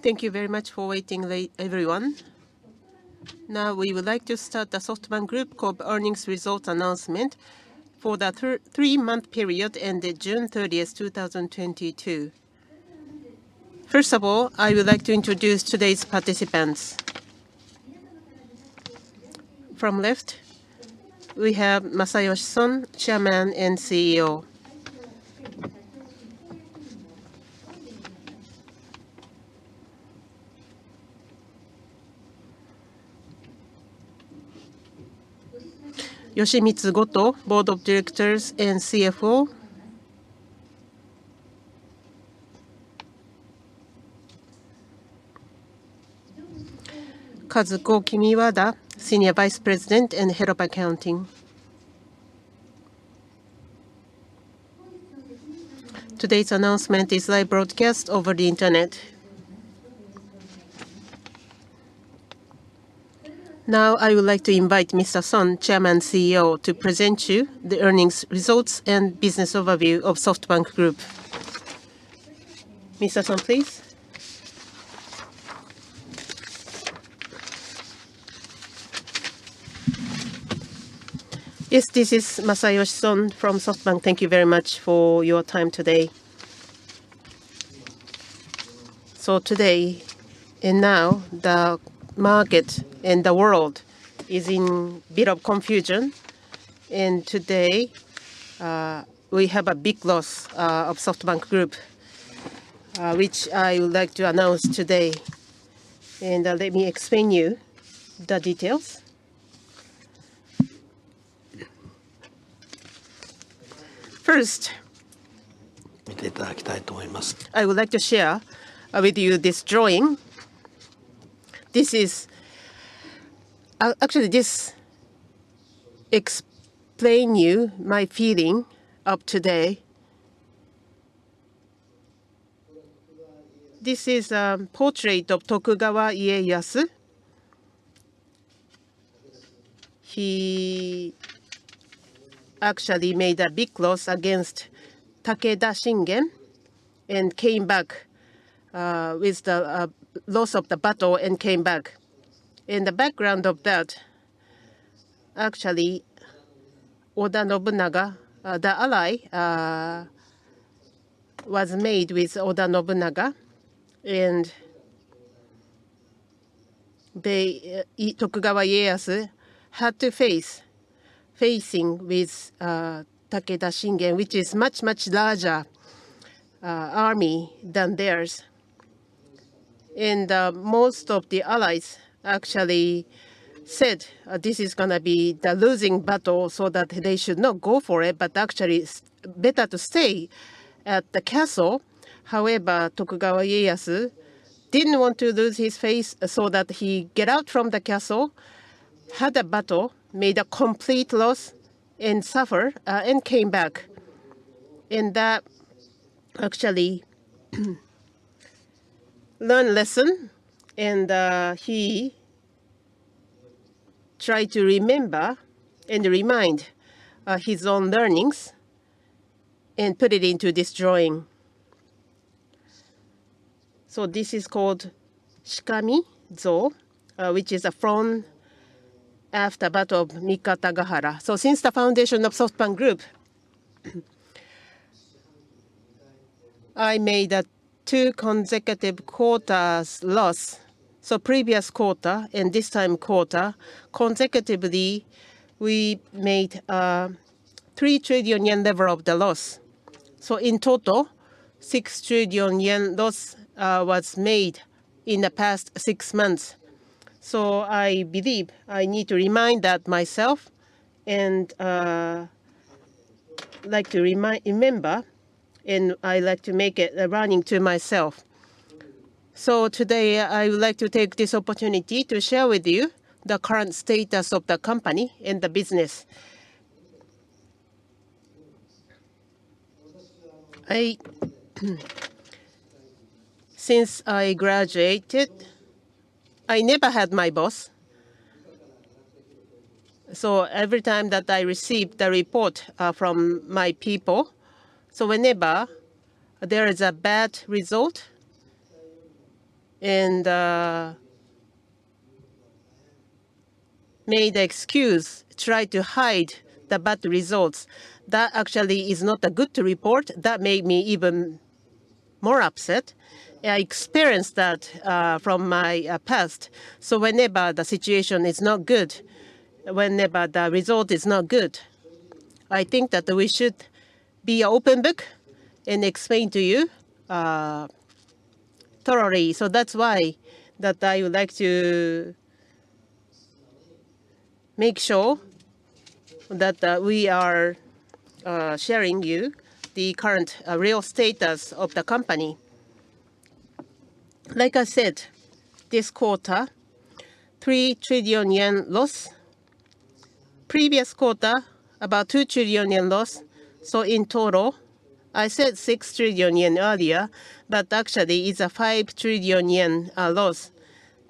Thank you very much for waiting late, everyone. Now, we would like to start the SoftBank Group Corp earnings results announcement for the three-month period ended June 30, 2022. First of all, I would like to introduce today's participants. From left, we have Masayoshi Son, Chairman and CEO. Yoshimitsu Goto, Board Director and CFO. Kazuko Kimiwada, Senior Vice President and Head of Accounting. Today's announcement is live broadcast over the internet. Now, I would like to invite Mr. Son, Chairman and CEO, to present to you the earnings results and business overview of SoftBank Group. Mr. Son, please. Yes, this is Masayoshi Son from SoftBank. Thank you very much for your time today. Today, and now, the market and the world is in a bit of confusion. Today, we have a big loss of SoftBank Group, which I would like to announce today, and let me explain you the details. First, I would like to share with you this drawing. This is actually this explain you my feeling of today. This is a portrait of Tokugawa Ieyasu. He actually made a big loss against Takeda Shingen and came back with the loss of the battle and came back. In the background of that, actually, Oda Nobunaga, the ally, was made with Oda Nobunaga. They Tokugawa Ieyasu had to face with Takeda Shingen, which is much, much larger army than theirs. Most of the allies actually said, "This is gonna be the losing battle," so that they should not go for it, but actually it's better to stay at the castle. However, Tokugawa Ieyasu didn't want to lose his face so that he get out from the castle, had a battle, made a complete loss and suffer, and came back. That actually learn lesson and he try to remember and remind his own learnings and put it into this drawing. This is called Shikamizō, which is from after Battle of Mikatagahara. Since the foundation of SoftBank Group, I made a two consecutive quarters loss. Previous quarter and this time quarter, consecutively, we made 3 trillion yen level of the loss. In total, 6 trillion yen loss was made in the past six months. I believe I need to remind that myself and, like to remember, and I like to make it a learning to myself. Today, I would like to take this opportunity to share with you the current status of the company and the business. Since I graduated, I never had my boss. Every time that I received a report, from my people, whenever there is a bad result and made excuse, try to hide the bad results, that actually is not a good report. That made me even more upset. I experienced that, from my, past. Whenever the situation is not good, whenever the result is not good, I think that we should be open book and explain to you, thoroughly. That's why I would like to make sure that we are sharing you the current real status of the company. Like I said, this quarter, 3 trillion yen loss. Previous quarter, about 2 trillion yen loss. In total, I said 6 trillion yen earlier, but actually it's a 5 trillion yen loss.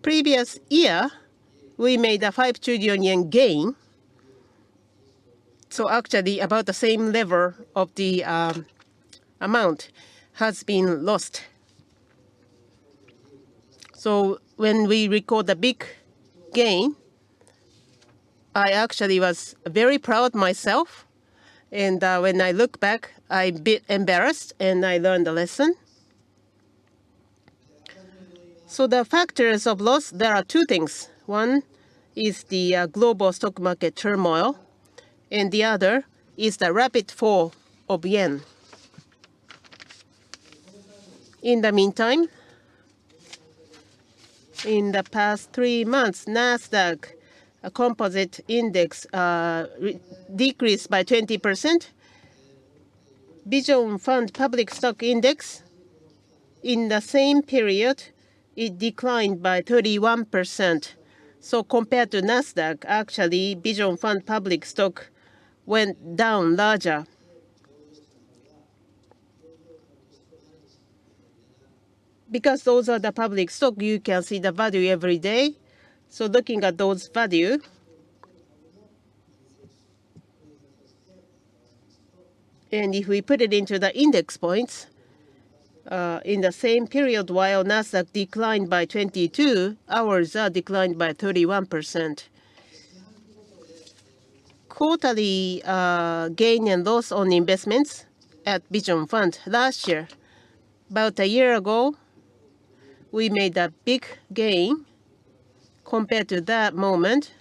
Previous year, we made a 5 trillion yen gain. Actually about the same level of the amount has been lost. When we record the big gain, I actually was very proud myself, and when I look back, I a bit embarrassed, and I learned a lesson. The factors of loss, there are two things. One is the global stock market turmoil, and the other is the rapid fall of yen. In the meantime, in the past three months, Nasdaq Composite Index decreased by 20%. Vision Fund public stock index in the same period, it declined by 31%. Compared to Nasdaq, actually Vision Fund Public Stock went down larger. Because those are the public stock, you can see the value every day, so looking at those value. If we put it into the index points, in the same period, while Nasdaq declined by 22, ours are declined by 31%. Quarterly gain and loss on investments at Vision Fund last year. About a year ago, we made a big gain compared to that moment.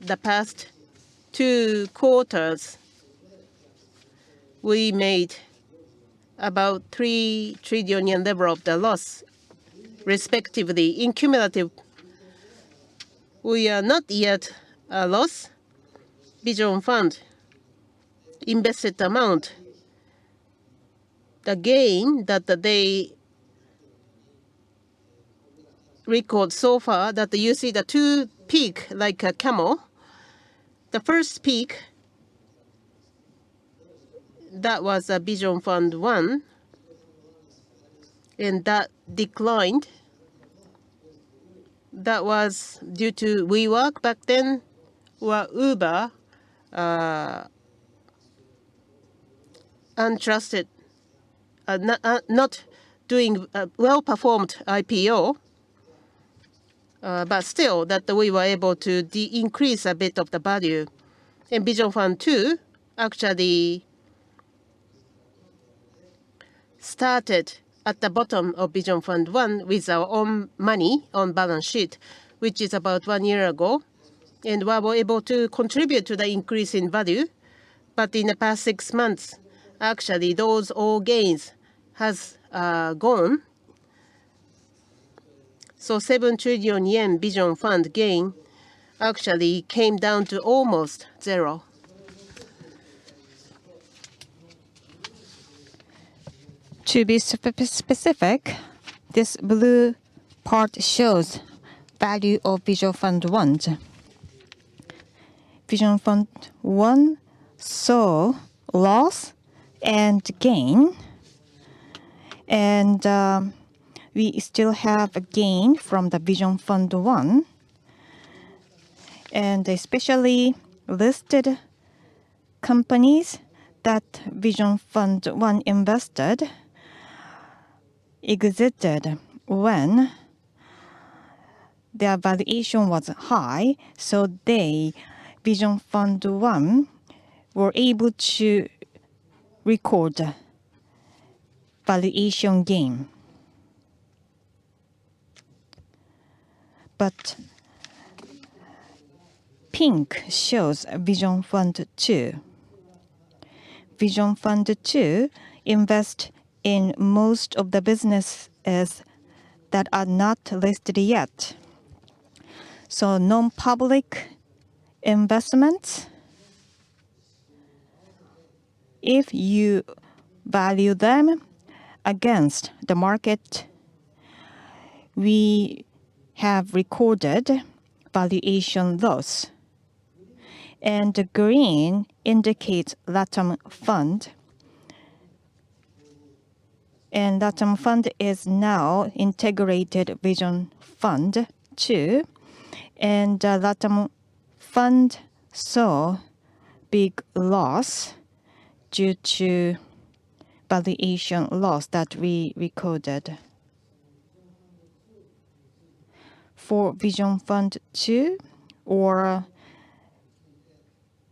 The past two quarters, we made about 3 trillion yen level of the loss, respectively. In cumulative, we are not yet a loss Vision Fund 1 invested amount. The gain that they record so far, that you see the two peaks like a camel. The first peak, that was a Vision Fund 1, and that declined. That was due to WeWork back then, where Uber not doing well-performed IPO. But still that we were able to decrease a bit of the value. In Vision Fund 2 actually started at the bottom of Vision Fund 1 with our own money on balance sheet, which is about one year ago, and we were able to contribute to the increase in value. In the past six months, actually those all gains has gone. 7 trillion yen Vision Fund gain actually came down to almost zero. To be specific, this blue part shows value of Vision Fund 1. Vision Fund 1 saw loss and gain, and we still have a gain from the Vision Fund 1. Especially listed companies that Vision Fund 1 invested exited when their valuation was high, so they, Vision Fund 1, were able to record valuation gain. Pink shows Vision Fund 2. Vision Fund 2 invest in most of the businesses that are not listed yet. Non-public investments, if you value them against the market, we have recorded valuation loss. Green indicates LATAM Fund. LATAM Fund is now integrated Vision Fund 2. LATAM Fund saw big loss due to valuation loss that we recorded. For Vision Fund 2 or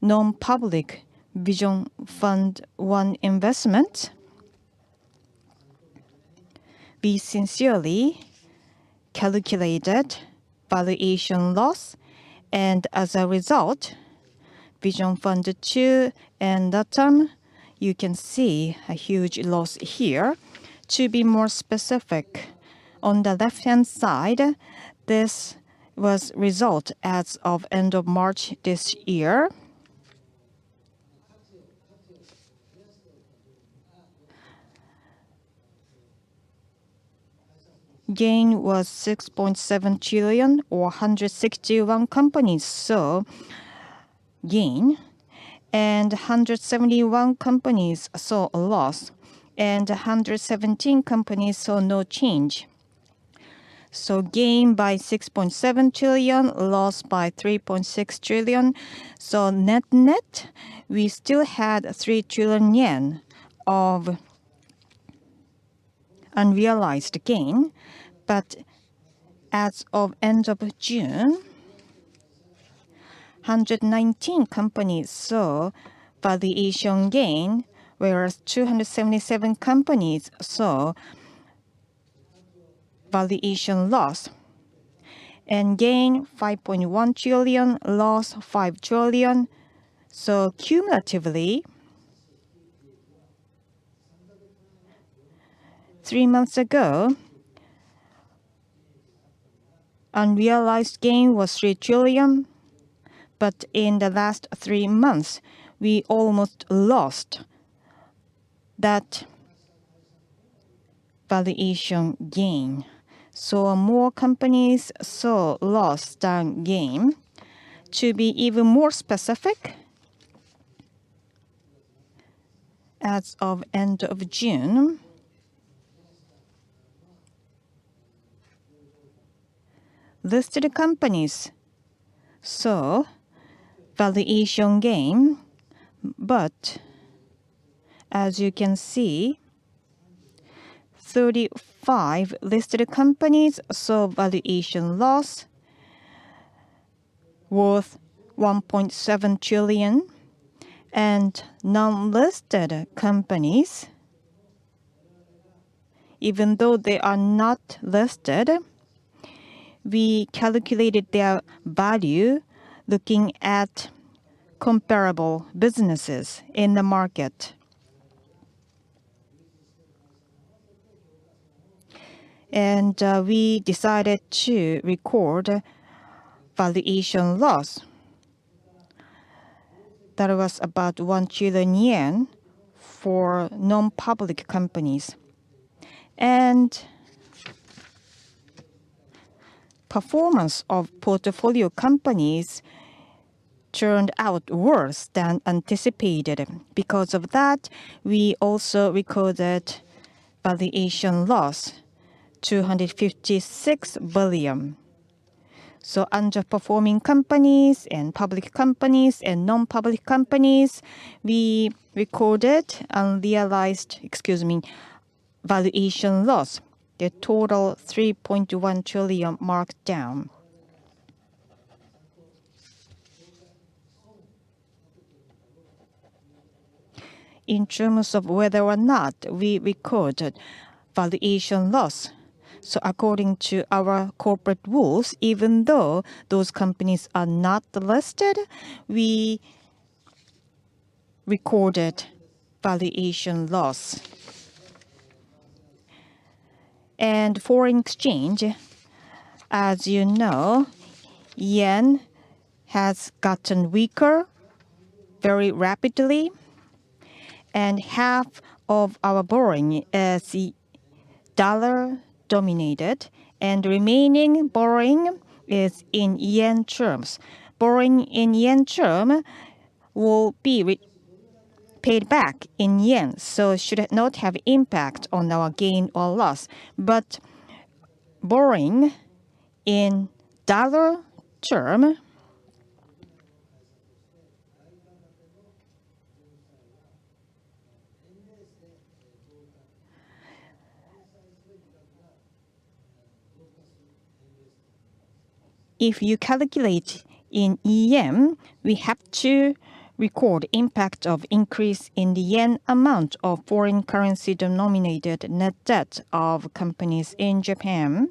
non-public Vision Fund 1 investment, we sincerely calculated valuation loss, and as a result, Vision Fund 2 and LATAM, you can see a huge loss here. To be more specific, on the left-hand side, this was result as of end of March this year. Gain was 6.7 trillion of 161 companies saw gain, and 171 companies saw a loss, and 117 companies saw no change. Gain by 6.7 trillion, loss by 3.6 trillion. Net-net, we still had 3 trillion yen of unrealized gain. As of end of June, 119 companies saw valuation gain, whereas 277 companies saw valuation loss. Gain 5.1 trillion, loss 5 trillion. Cumulatively, three months ago, unrealized gain was 3 trillion. In the last three months, we almost lost that valuation gain. More companies saw loss than gain. To be even more specific, as of end of June, listed companies saw valuation gain. As you can see, 35 listed companies saw valuation loss worth JPY 1.7 trillion. Non-listed companies, even though they are not listed, we calculated their value looking at comparable businesses in the market. We decided to record valuation loss. That was about 1 trillion yen for non-public companies. Performance of portfolio companies turned out worse than anticipated. Because of that, we also recorded valuation loss, 256 billion. Underperforming companies and public companies and non-public companies, we recorded unrealized, excuse me, valuation loss. The total 3.1 trillion marked down. In terms of whether or not we recorded valuation loss, according to our corporate rules, even though those companies are not listed, we recorded valuation loss. Foreign exchange, as you know, yen has gotten weaker very rapidly, and half of our borrowing is dollar-denominated, and remaining borrowing is in yen terms. Borrowing in yen terms will be repaid in yen, so should not have impact on our gain or loss. Borrowing in dollar term, if you calculate in yen, we have to record impact of increase in the yen amount of foreign currency denominated net debt of companies in Japan.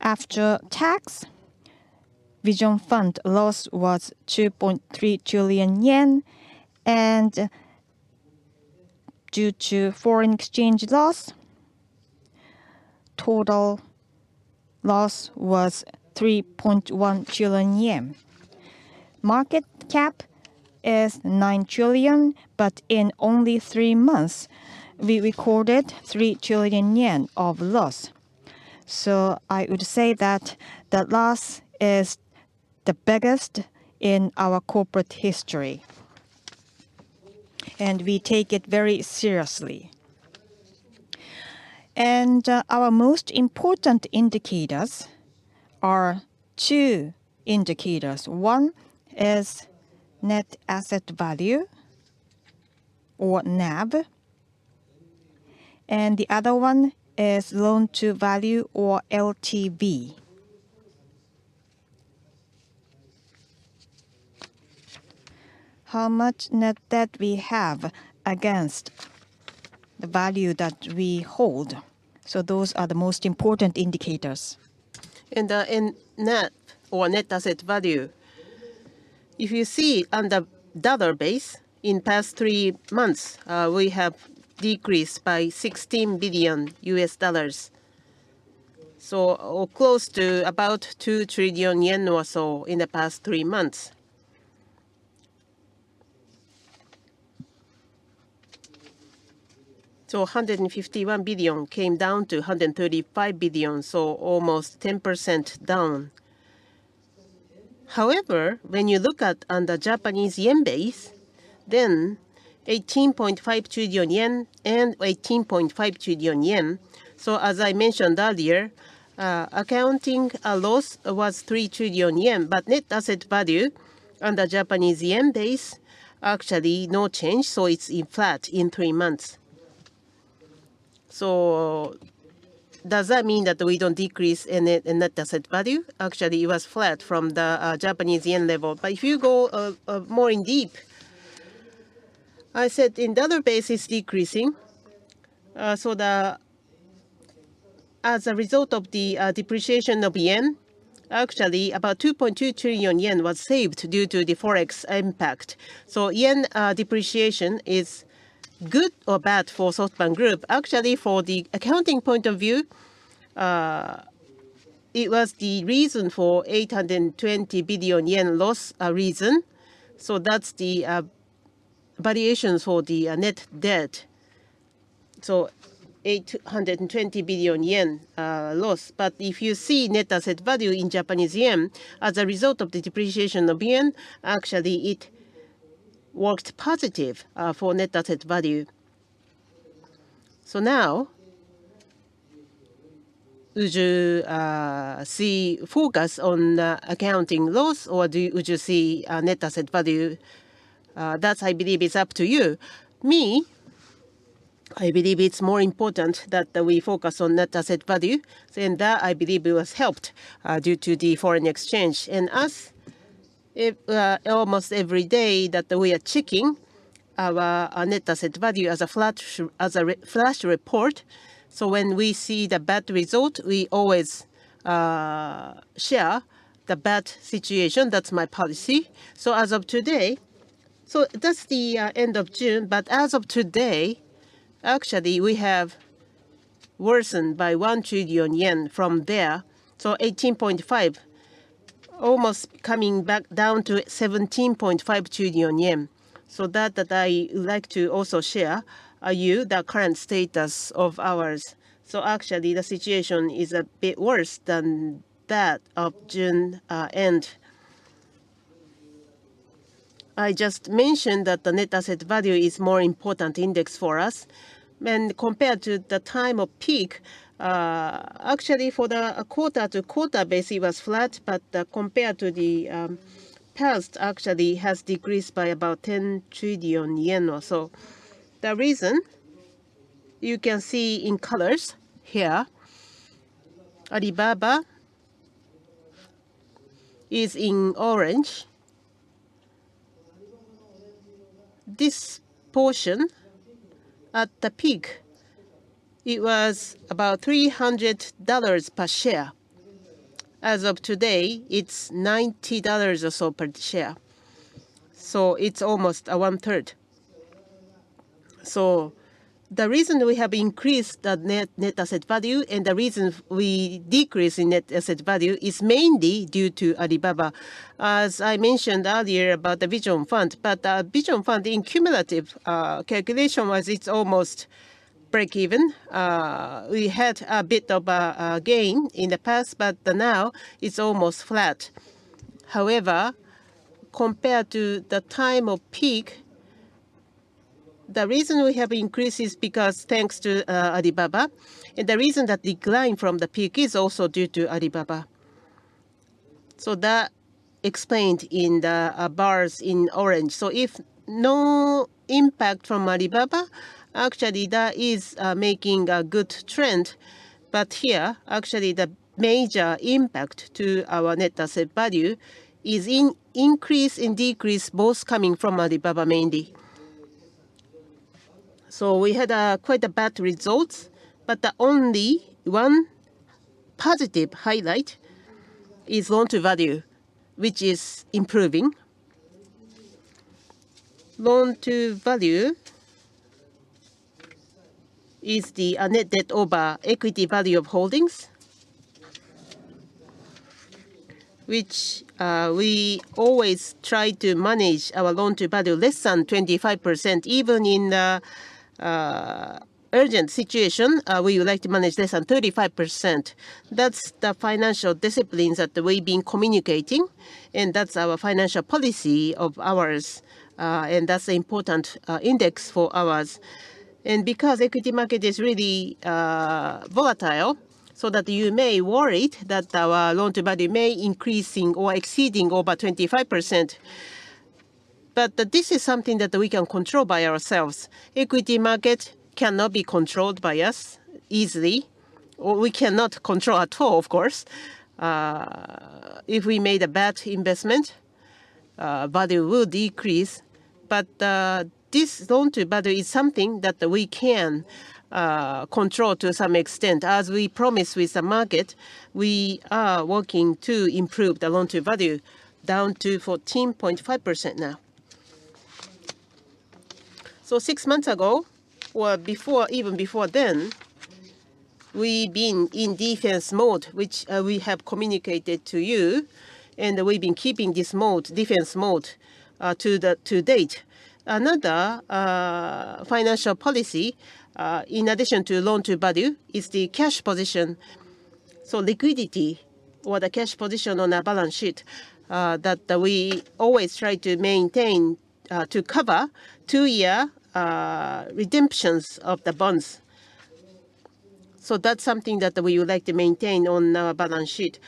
After tax, Vision Fund loss was 2.3 trillion yen, and due to foreign exchange loss, total loss was 3.1 trillion yen. Market cap is 9 trillion, but in only three months we recorded 3 trillion yen of loss. I would say that the loss is the biggest in our corporate history, and we take it very seriously. Our most important indicators are two indicators. One is net asset value or NAV, and the other one is loan to value or LTV. How much net debt we have against the value that we hold. Those are the most important indicators. In net asset value, if you see on the dollar basis, in past three months, we have decreased by $16 billion. Close to about 2 trillion yen or so in the past three months. 151 billion came down to 135 billion, so almost 10% down. However, when you look at on the Japanese yen base, then 18.5 trillion yen and 18.5 trillion yen. So as I mentioned earlier, an accounting loss was 3 trillion yen, but net asset value on the Japanese yen base, actually no change, so it's flat in three months. So does that mean that we don't decrease any net asset value? Actually, it was flat from the Japanese yen level. But if you go more in depth, I said in dollar base it's decreasing, so the. As a result of the depreciation of yen, actually about 2.2 trillion yen was saved due to the Forex impact. So yen depreciation is good or bad for SoftBank Group. Actually, for the accounting point of view, it was the reason for 820 billion yen loss. That's the variations for the net debt. JPY 820 billion loss. If you see net asset value in Japanese yen, as a result of the depreciation of yen, actually it worked positive for net asset value. Now, would you see focus on accounting loss or would you see net asset value? That I believe is up to you. Me, I believe it's more important that we focus on net asset value, and that I believe it was helped due to the foreign exchange. As almost every day that we are checking our net asset value as a flash report. When we see the bad result, we always share the bad situation. That's my policy. As of today, that's the end of June, but as of today, actually we have worsened by 1 trillion yen from there. 18.5 trillion, almost coming back down to 17.5 trillion yen. That I would like to also share with you the current status of ours. Actually the situation is a bit worse than that of June end. I just mentioned that the net asset value is more important index for us. When compared to the time of peak, actually for the quarter-to-quarter basis it was flat, but compared to the past, actually it has decreased by about 10 trillion yen or so. The reason you can see in colors here. Alibaba is in orange. This portion at the peak, it was about $300 per share. As of today, it's $90 per share or so. It's almost 1/3. The reason we have increased the net asset value and the reason we decrease in net asset value is mainly due to Alibaba. As I mentioned earlier about the Vision Fund, Vision Fund 1 cumulative calculation was it's almost breakeven. We had a bit of a gain in the past, but now it's almost flat. However, compared to the time of peak, the reason we have increased is because thanks to Alibaba, and the reason that decline from the peak is also due to Alibaba. That explained in the bars in orange. If no impact from Alibaba, actually that is making a good trend. Here, actually the major impact to our net asset value is in increase and decrease, both coming from Alibaba mainly. We had quite bad results, but the only one positive highlight is loan to value, which is improving. Loan to value is the net debt over equity value of holdings. We always try to manage our loan to value less than 25%. Even in an urgent situation, we would like to manage less than 35%. That's the financial disciplines that we've been communicating, and that's our financial policy of ours, and that's the important index for ours. Because equity market is really volatile, so that you may worried that our loan to value may increasing or exceeding over 25%. This is something that we can control by ourselves. Equity market cannot be controlled by us easily, or we cannot control at all, of course. If we made a bad investment, value will decrease. This loan to value is something that we can control to some extent. As we promised with the market, we are working to improve the loan to value down to 14.5% now. Six months ago, or before, even before then, we've been in defense mode, which we have communicated to you, and we've been keeping this mode, defense mode, to date. Another financial policy in addition to loan to value is the cash position. Liquidity or the cash position on our balance sheet that we always try to maintain to cover two-year redemptions of the bonds. That's something that we would like to maintain on our balance sheet.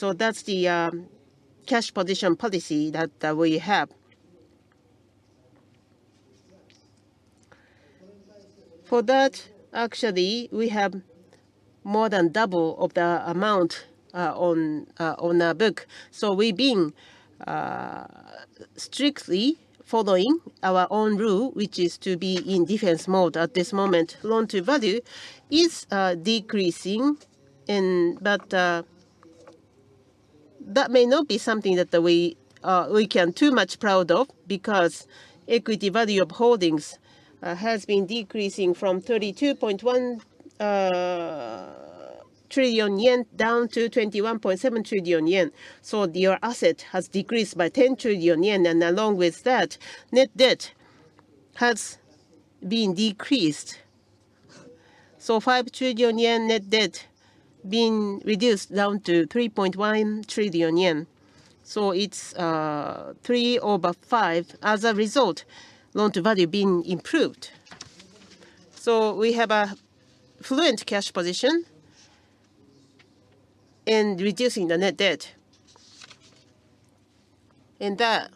That's the cash position policy that we have. For that, actually, we have more than double of the amount on our book. We've been strictly following our own rule, which is to be in defense mode at this moment. Loan to value is decreasing, but that may not be something that we can be too proud of because equity value of holdings has been decreasing from 32.1 trillion yen down to 21.7 trillion yen. Your asset has decreased by 10 trillion yen, and along with that, net debt has been decreased. Five trillion yen net debt being reduced down to 3.1 trillion yen. It's three over five. As a result, loan to value being improved. We have a solid cash position in reducing the net debt. In that,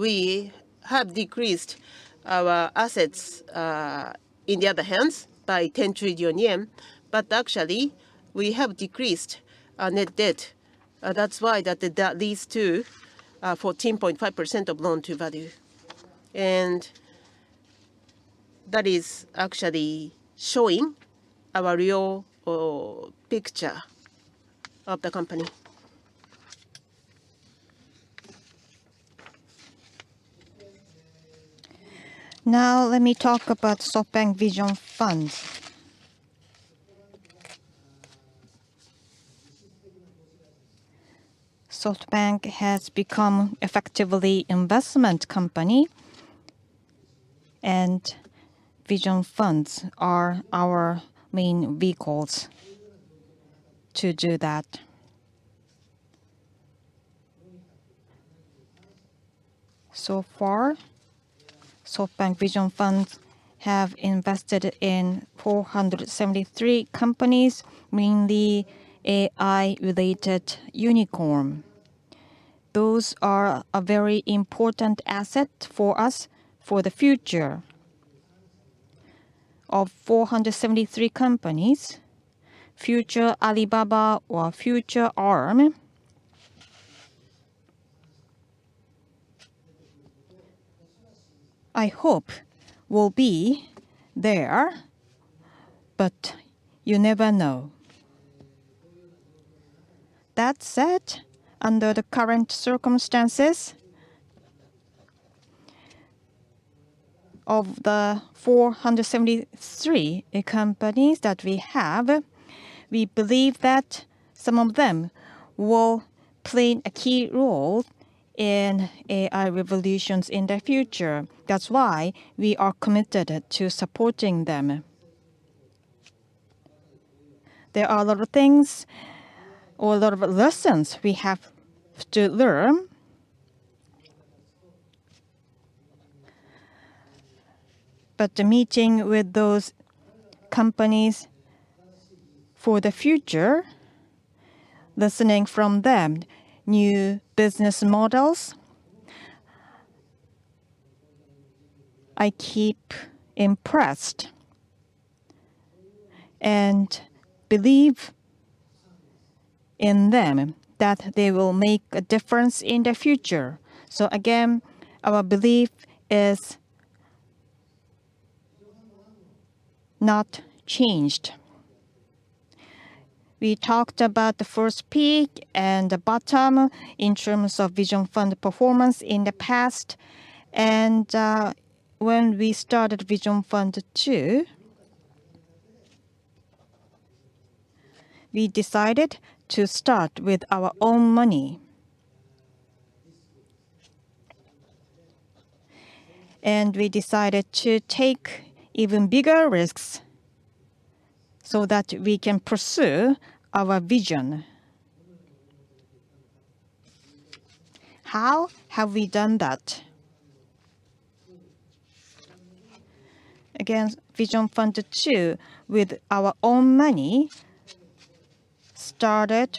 we have decreased our assets, on the other hand by 10 trillion yen, but actually we have decreased our net debt. That's why that leads to 14.5% of loan to value. That is actually showing our real picture of the company. Now let me talk about SoftBank Vision Fund. SoftBank has become effectively investment company and Vision Funds are our main vehicles to do that. So far, SoftBank Vision Funds have invested in 473 companies, mainly AI-related unicorn. Those are a very important asset for us for the future. Of 473 companies, future Alibaba or future Arm, I hope will be there, but you never know. That said, under the current circumstances, of the 473 companies that we have, we believe that some of them will play a key role in AI revolutions in the future. That's why we are committed to supporting them. There are a lot of things or a lot of lessons we have to learn. The meeting with those companies for the future, listening from them, new business models, I keep impressed and believe in them that they will make a difference in the future. Again, our belief is not changed. We talked about the first peak and the bottom in terms of Vision Fund performance in the past. When we started Vision Fund 2, we decided to start with our own money. We decided to take even bigger risks so that we can pursue our vision. How have we done that? Again, Vision Fund 2 with our own money started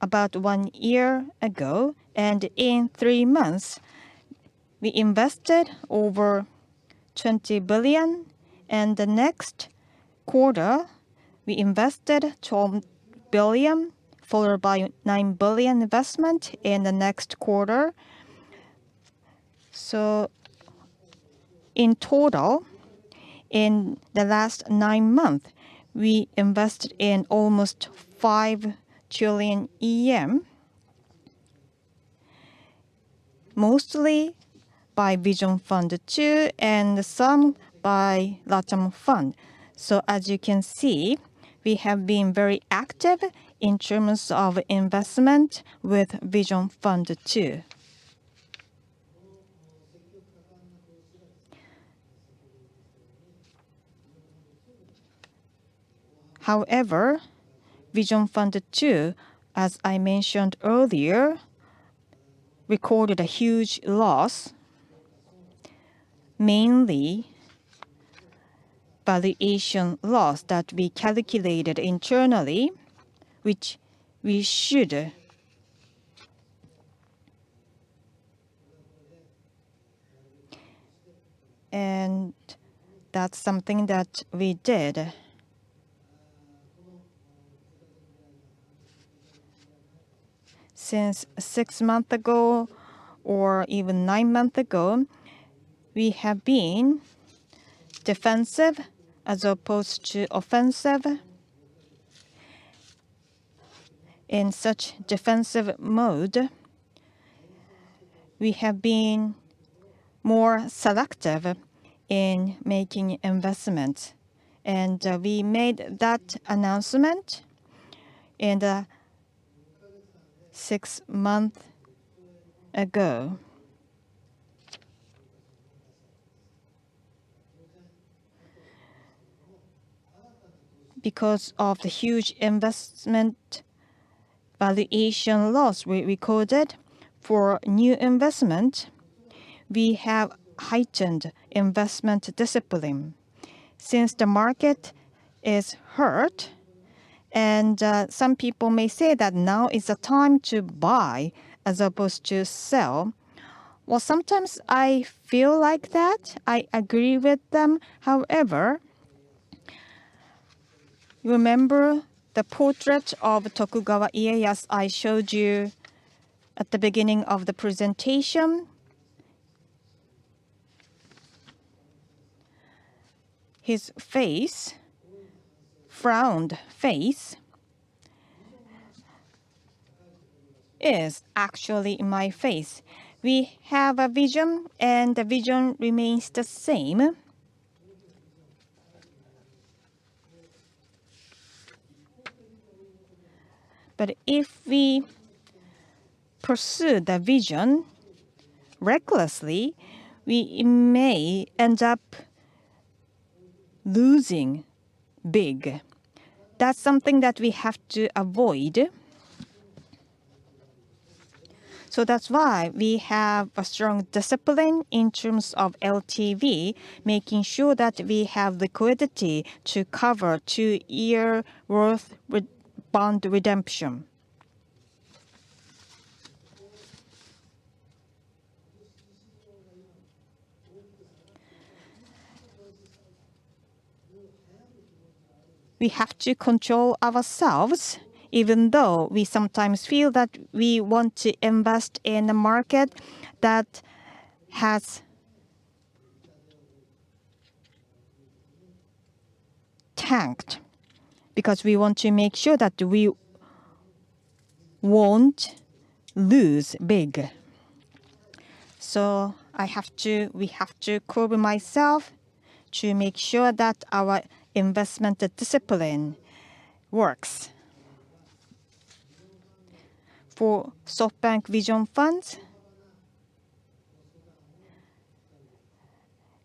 about one year ago, and in three months we invested over 20 billion. The next quarter, we invested 12 billion, followed by 9 billion investment in the next quarter. In total, in the last nine months, we invested in almost 5 trillion, mostly by Vision Fund 2 and some by LATAM Fund. As you can see, we have been very active in terms of investment with Vision Fund 2. However, Vision Fund 2, as I mentioned earlier, recorded a huge loss, mainly valuation loss that we calculated internally, which we should. That's something that we did. Since six months ago or even nine months ago, we have been defensive as opposed to offensive. In such defensive mode, we have been more selective in making investments. We made that announcement in six months ago. Because of the huge investment valuation loss we recorded for new investment, we have heightened investment discipline. Since the market is hurt, and some people may say that now is the time to buy as opposed to sell. Well, sometimes I feel like that. I agree with them. However, remember the portrait of Tokugawa Ieyasu I showed you at the beginning of the presentation? His face, frowned face, is actually my face. We have a vision, and the vision remains the same. If we pursue the vision recklessly, we may end up losing big. That's something that we have to avoid. That's why we have a strong discipline in terms of LTV, making sure that we have liquidity to cover two-year worth with bond redemption. We have to control ourselves, even though we sometimes feel that we want to invest in a market that has tanked, because we want to make sure that we won't lose big. We have to curb myself to make sure that our investment discipline works. For SoftBank Vision Funds,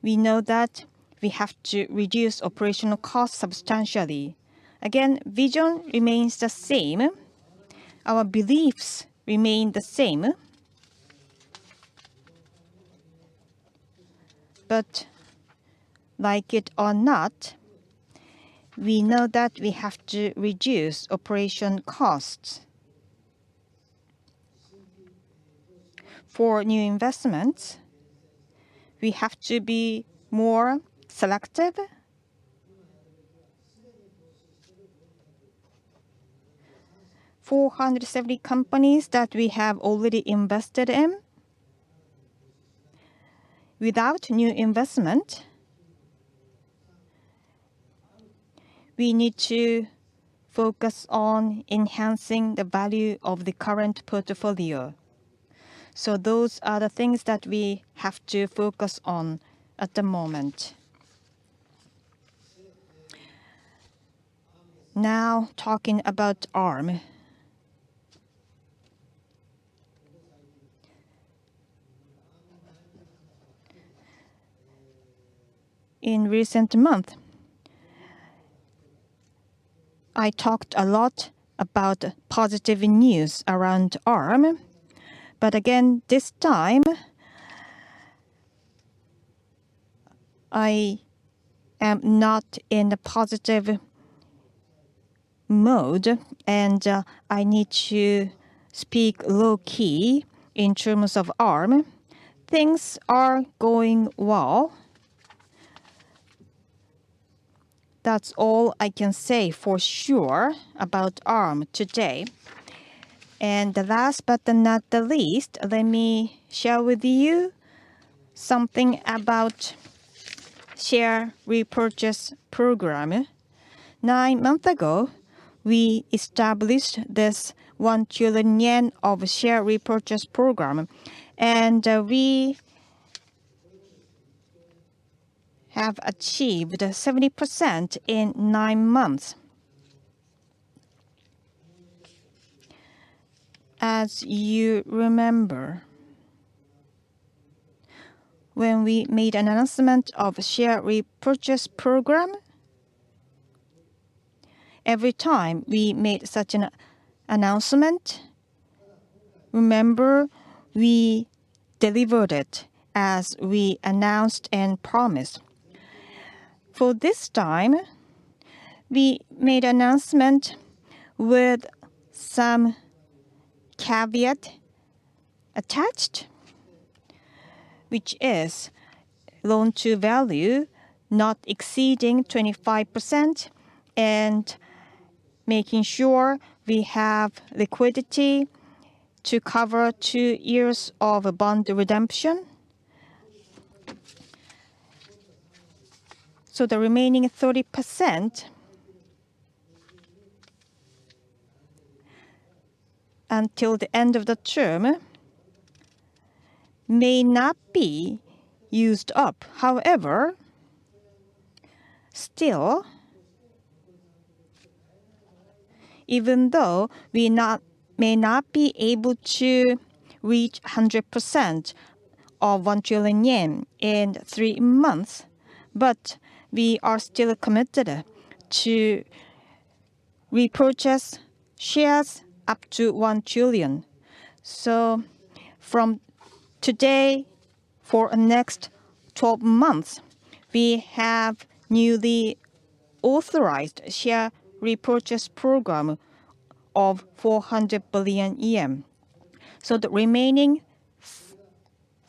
we know that we have to reduce operational costs substantially. Again, vision remains the same. Our beliefs remain the same. Like it or not, we know that we have to reduce operation costs. For new investments, we have to be more selective. 470 companies that we have already invested in. Without new investment, we need to focus on enhancing the value of the current portfolio. Those are the things that we have to focus on at the moment. Now talking about Arm. In recent month, I talked a lot about positive news around Arm. But again, this time, I am not in a positive mode, and I need to speak low-key in terms of Arm. Things are going well. That's all I can say for sure about Arm today. The last but not the least, let me share with you something about share repurchase program. Nine months ago, we established this 1 trillion yen share repurchase program. We Have achieved 70% in nine months. As you remember, when we made an announcement of share repurchase program, every time we made such an announcement, remember we delivered it as we announced and promised. For this time, we made announcement with some caveat attached, which is loan to value not exceeding 25% and making sure we have liquidity to cover two years of bond redemption. The remaining 30% until the end of the term may not be used up. However, still, even though we may not be able to reach 100% of 1 trillion yen in three months, but we are still committed to repurchase shares up to 1 trillion. From today, for the next 12 months, we have newly authorized share repurchase program of 400 billion yen. The remaining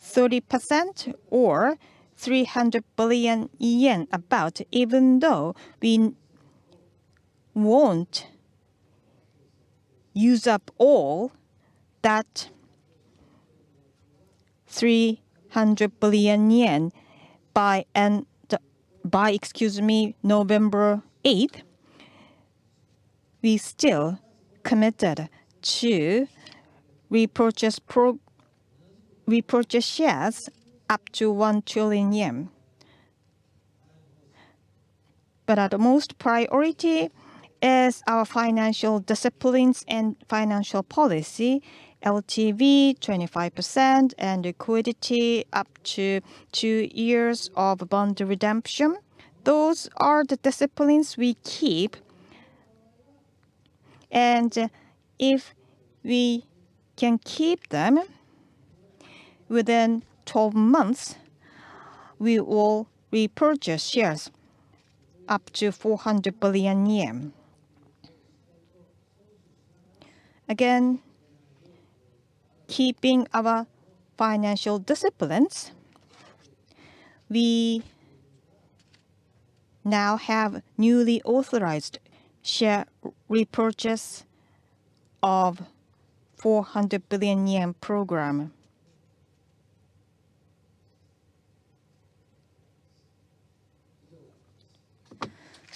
30% or 300 billion yen about, even though we won't use up all that 300 billion yen by November 8th, we still committed to repurchase shares up to JPY 1 trillion. The utmost priority is our financial disciplines and financial policy, LTV 25% and liquidity up to two years of bond redemption. Those are the disciplines we keep. If we can keep them within 12 months, we will repurchase shares up to JPY 400 billion. Again, keeping our financial disciplines, we now have newly authorized share repurchase program of JPY 400 billion.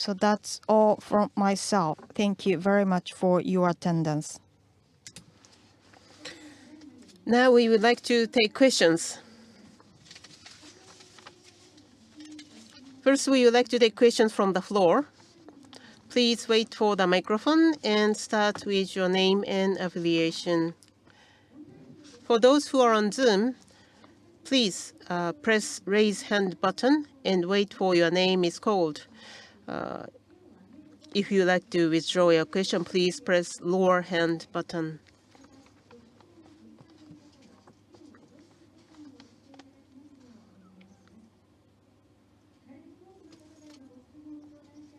That's all from myself. Thank you very much for your attendance. Now we would like to take questions. First, we would like to take questions from the floor. Please wait for the microphone and start with your name and affiliation. For those who are on Zoom, please, press raise hand button and wait for your name is called. If you would like to withdraw your question, please press lower hand button.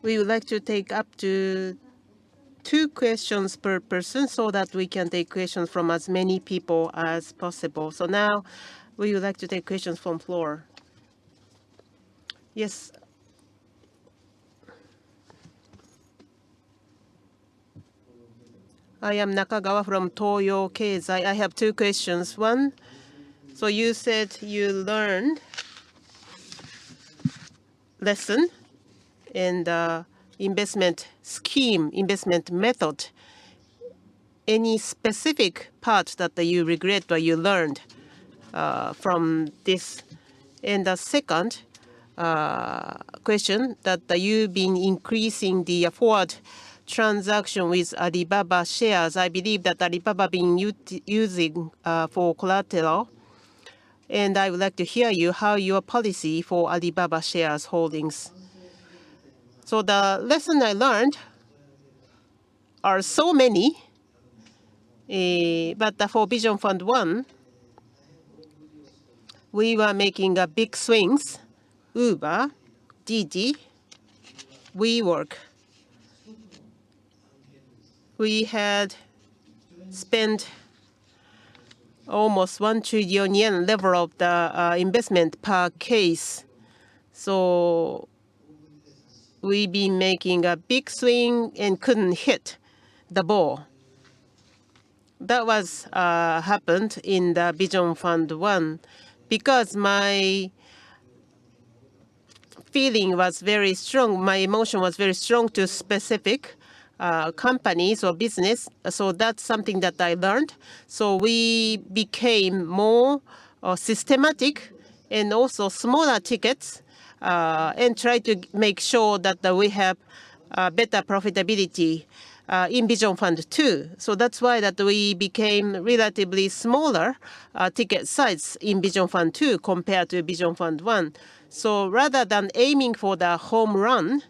We would like to take up to two questions per person so that we can take questions from as many people as possible. Now we would like to take questions from floor. Yes. I am Nakagawa from Toyo Keizai. I have two questions. One, you said you learned lesson in the investment scheme, investment method. Any specific parts that you regret or you learned from this? And the second question that you've been increasing the forward transaction with Alibaba shares. I believe that Alibaba been using for collateral, and I would like to hear from you how your policy for Alibaba shares holdings. The lesson I learned are so many. For Vision Fund 1, we were making big swings, Uber, Didi, WeWork. We had spent almost 1 trillion yen level of the investment per case. We've been making a big swing and couldn't hit the ball. That happened in the Vision Fund 1. Because my feeling was very strong, my emotion was very strong to specific companies or business. That's something that I learned. We became more systematic and also smaller tickets, and try to make sure that we have better profitability in Vision Fund 2. That's why we became relatively smaller ticket size in Vision Fund 2 compared to Vision Fund 1. Rather than aiming for the home run,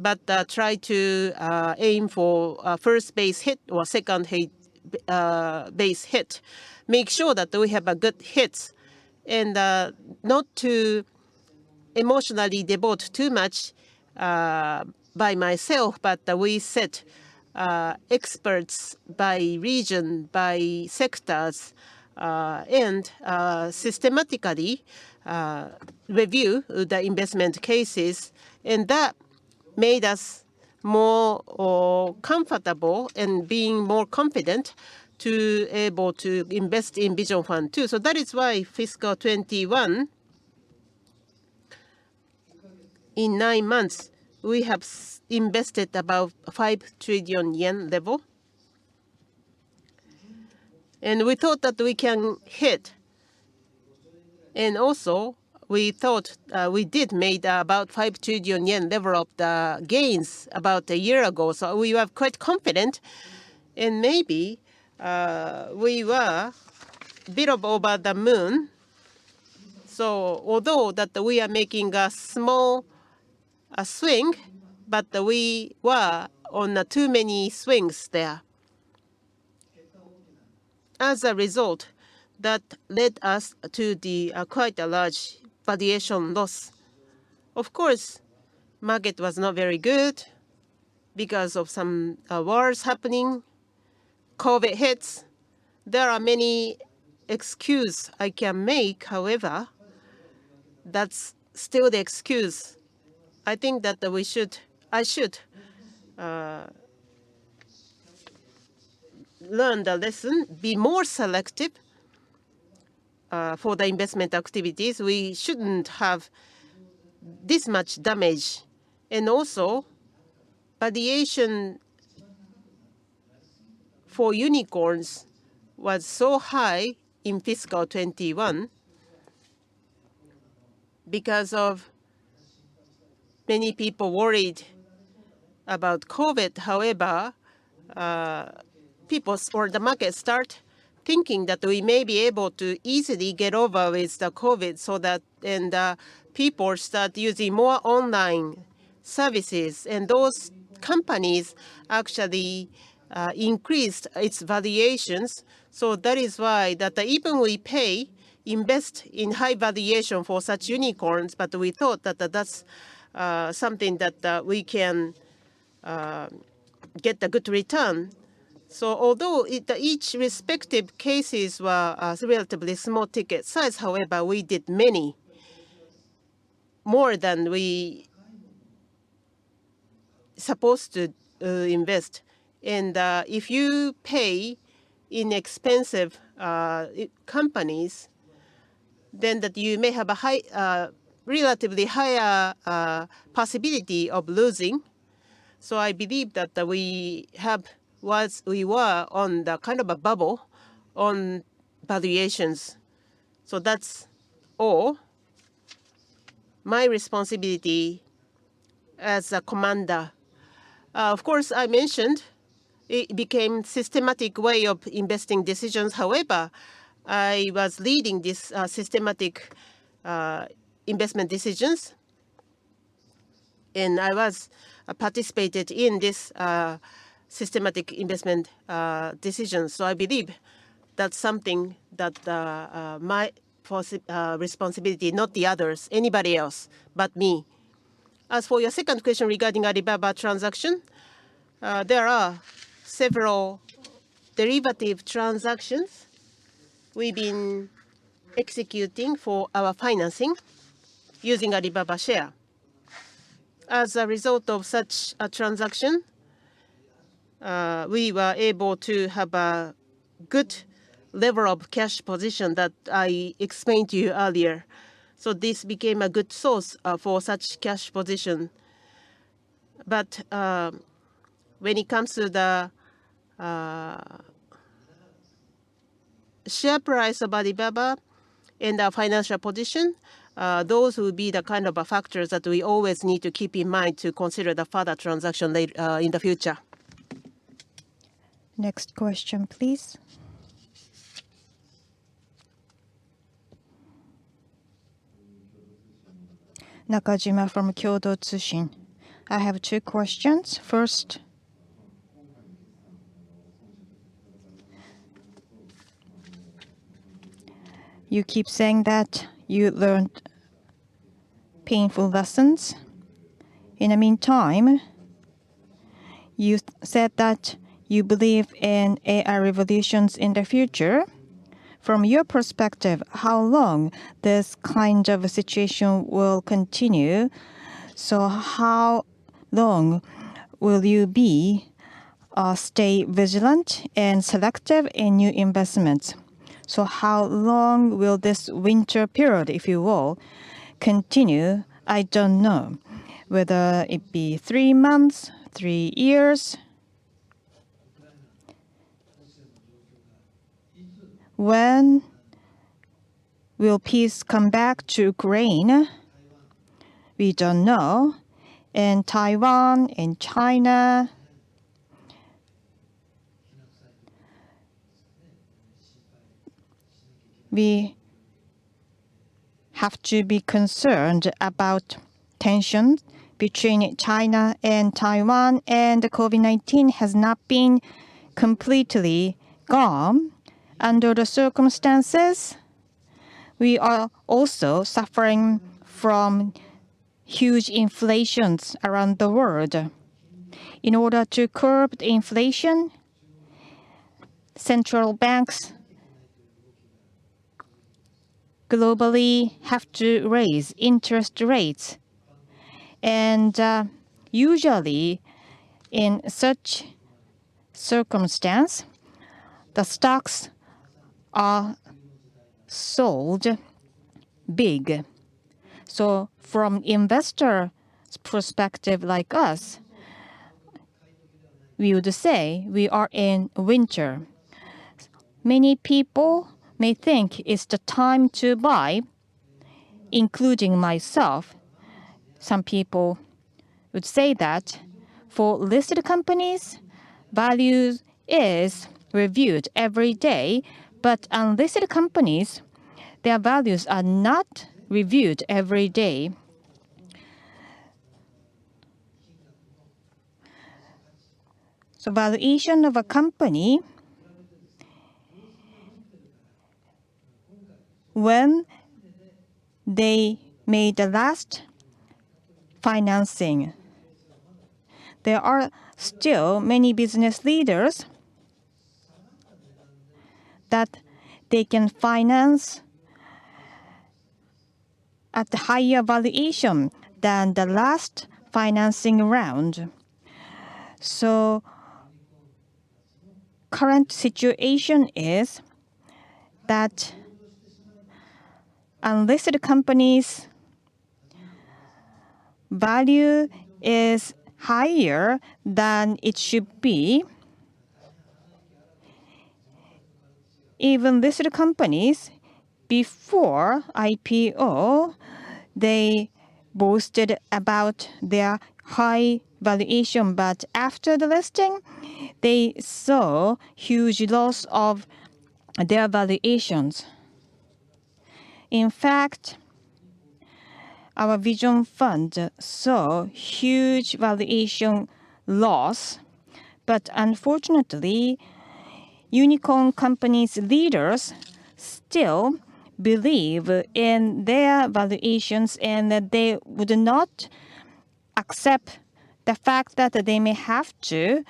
but try to aim for a first base hit or second base hit, make sure that we have good hits and not to emotionally devote too much by myself, but we set experts by region, by sectors, and systematically review the investment cases. That made us more comfortable and being more confident to able to invest in Vision Fund 2. That is why fiscal 2021, in nine months, we have invested about 5 trillion yen. We thought that we can hit, and also we thought we made about 5 trillion yen level of the gains about a year ago. We were quite confident and maybe we were a bit over the moon. Although that we are making a small swing, but we were on too many swings there. As a result, that led us to quite a large valuation loss. Of course, market was not very good because of some wars happening. COVID hits. There are many excuses I can make. However, that's still the excuse. I think that I should learn the lesson, be more selective for the investment activities. We shouldn't have this much damage. Also valuation for unicorns was so high in fiscal 2021 because of many people worried about COVID. However, people or the market start thinking that we may be able to easily get over with the COVID, people start using more online services, and those companies actually increased its valuations. That is why that even we pay, invest in high valuation for such unicorns, but we thought that that's something that we can get a good return. Although each respective cases were relatively small ticket size, however, we did many more than we supposed to invest. If you pay inexpensive companies, then that you may have a high relatively higher possibility of losing. I believe that we were on the kind of a bubble on valuations. That's all my responsibility as a commander. Of course, I mentioned it became systematic way of investing decisions. However, I was leading this systematic investment decisions, and I was participated in this. I believe that's something that my responsibility, not the others, anybody else but me. As for your second question regarding Alibaba transaction, there are several derivative transactions we've been executing for our financing using Alibaba share. As a result of such a transaction, we were able to have a good level of cash position that I explained to you earlier. This became a good source for such cash position. When it comes to the share price of Alibaba and our financial position, those will be the kind of factors that we always need to keep in mind to consider the further transaction later in the future. Next question, please. Nakajima from Kyodo Tsushin. I have two questions. First, you keep saying that you learned painful lessons. In the meantime, you said that you believe in AI revolutions in the future. From your perspective, how long this kind of a situation will continue? How long will you be, stay vigilant and selective in new investments? How long will this winter period, if you will, continue? I don't know whether it be three months, three years. When will peace come back to Ukraine? We don't know. In Taiwan, in China, we have to be concerned about tension between China and Taiwan, and COVID-19 has not been completely gone. Under the circumstances, we are also suffering from huge inflation around the world. In order to curb the inflation, central banks globally have to raise interest rates. Usually in such circumstances, the stocks are sold big. From investor's perspective like us, we would say we are in winter. Many people may think it's the time to buy, including myself. Some people would say that for listed companies, value is reviewed every day. Unlisted companies, their values are not reviewed every day. Valuation of a company when they made the last financing, there are still many business leaders that they can finance at higher valuation than the last financing round. Current situation is that unlisted companies' value is higher than it should be. Even listed companies before IPO, they boasted about their high valuation. After the listing, they saw huge loss of their valuations. In fact, our Vision Fund saw huge valuation loss. Unicorn companies' leaders still believe in their valuations, and they would not accept the fact that they may have to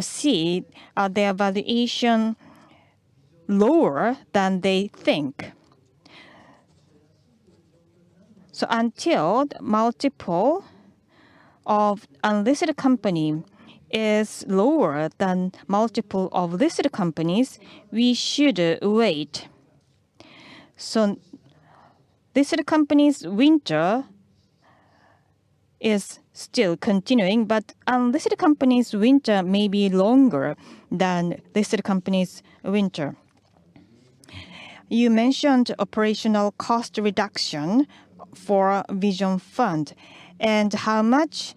see their valuation lower than they think. Until multiple of unlisted company is lower than multiple of listed companies, we should wait. Listed companies' winter is still continuing, but unlisted companies' winter may be longer than listed companies' winter. You mentioned operational cost reduction for Vision Fund, and how much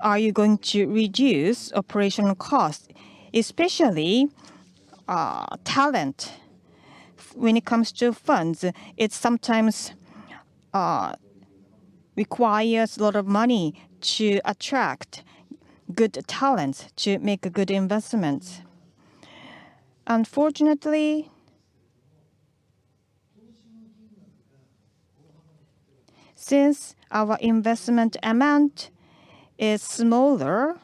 are you going to reduce operational costs, especially, talent? When it comes to funds, it sometimes requires a lot of money to attract good talents to make good investments. Unfortunately, since our investment amount is smaller,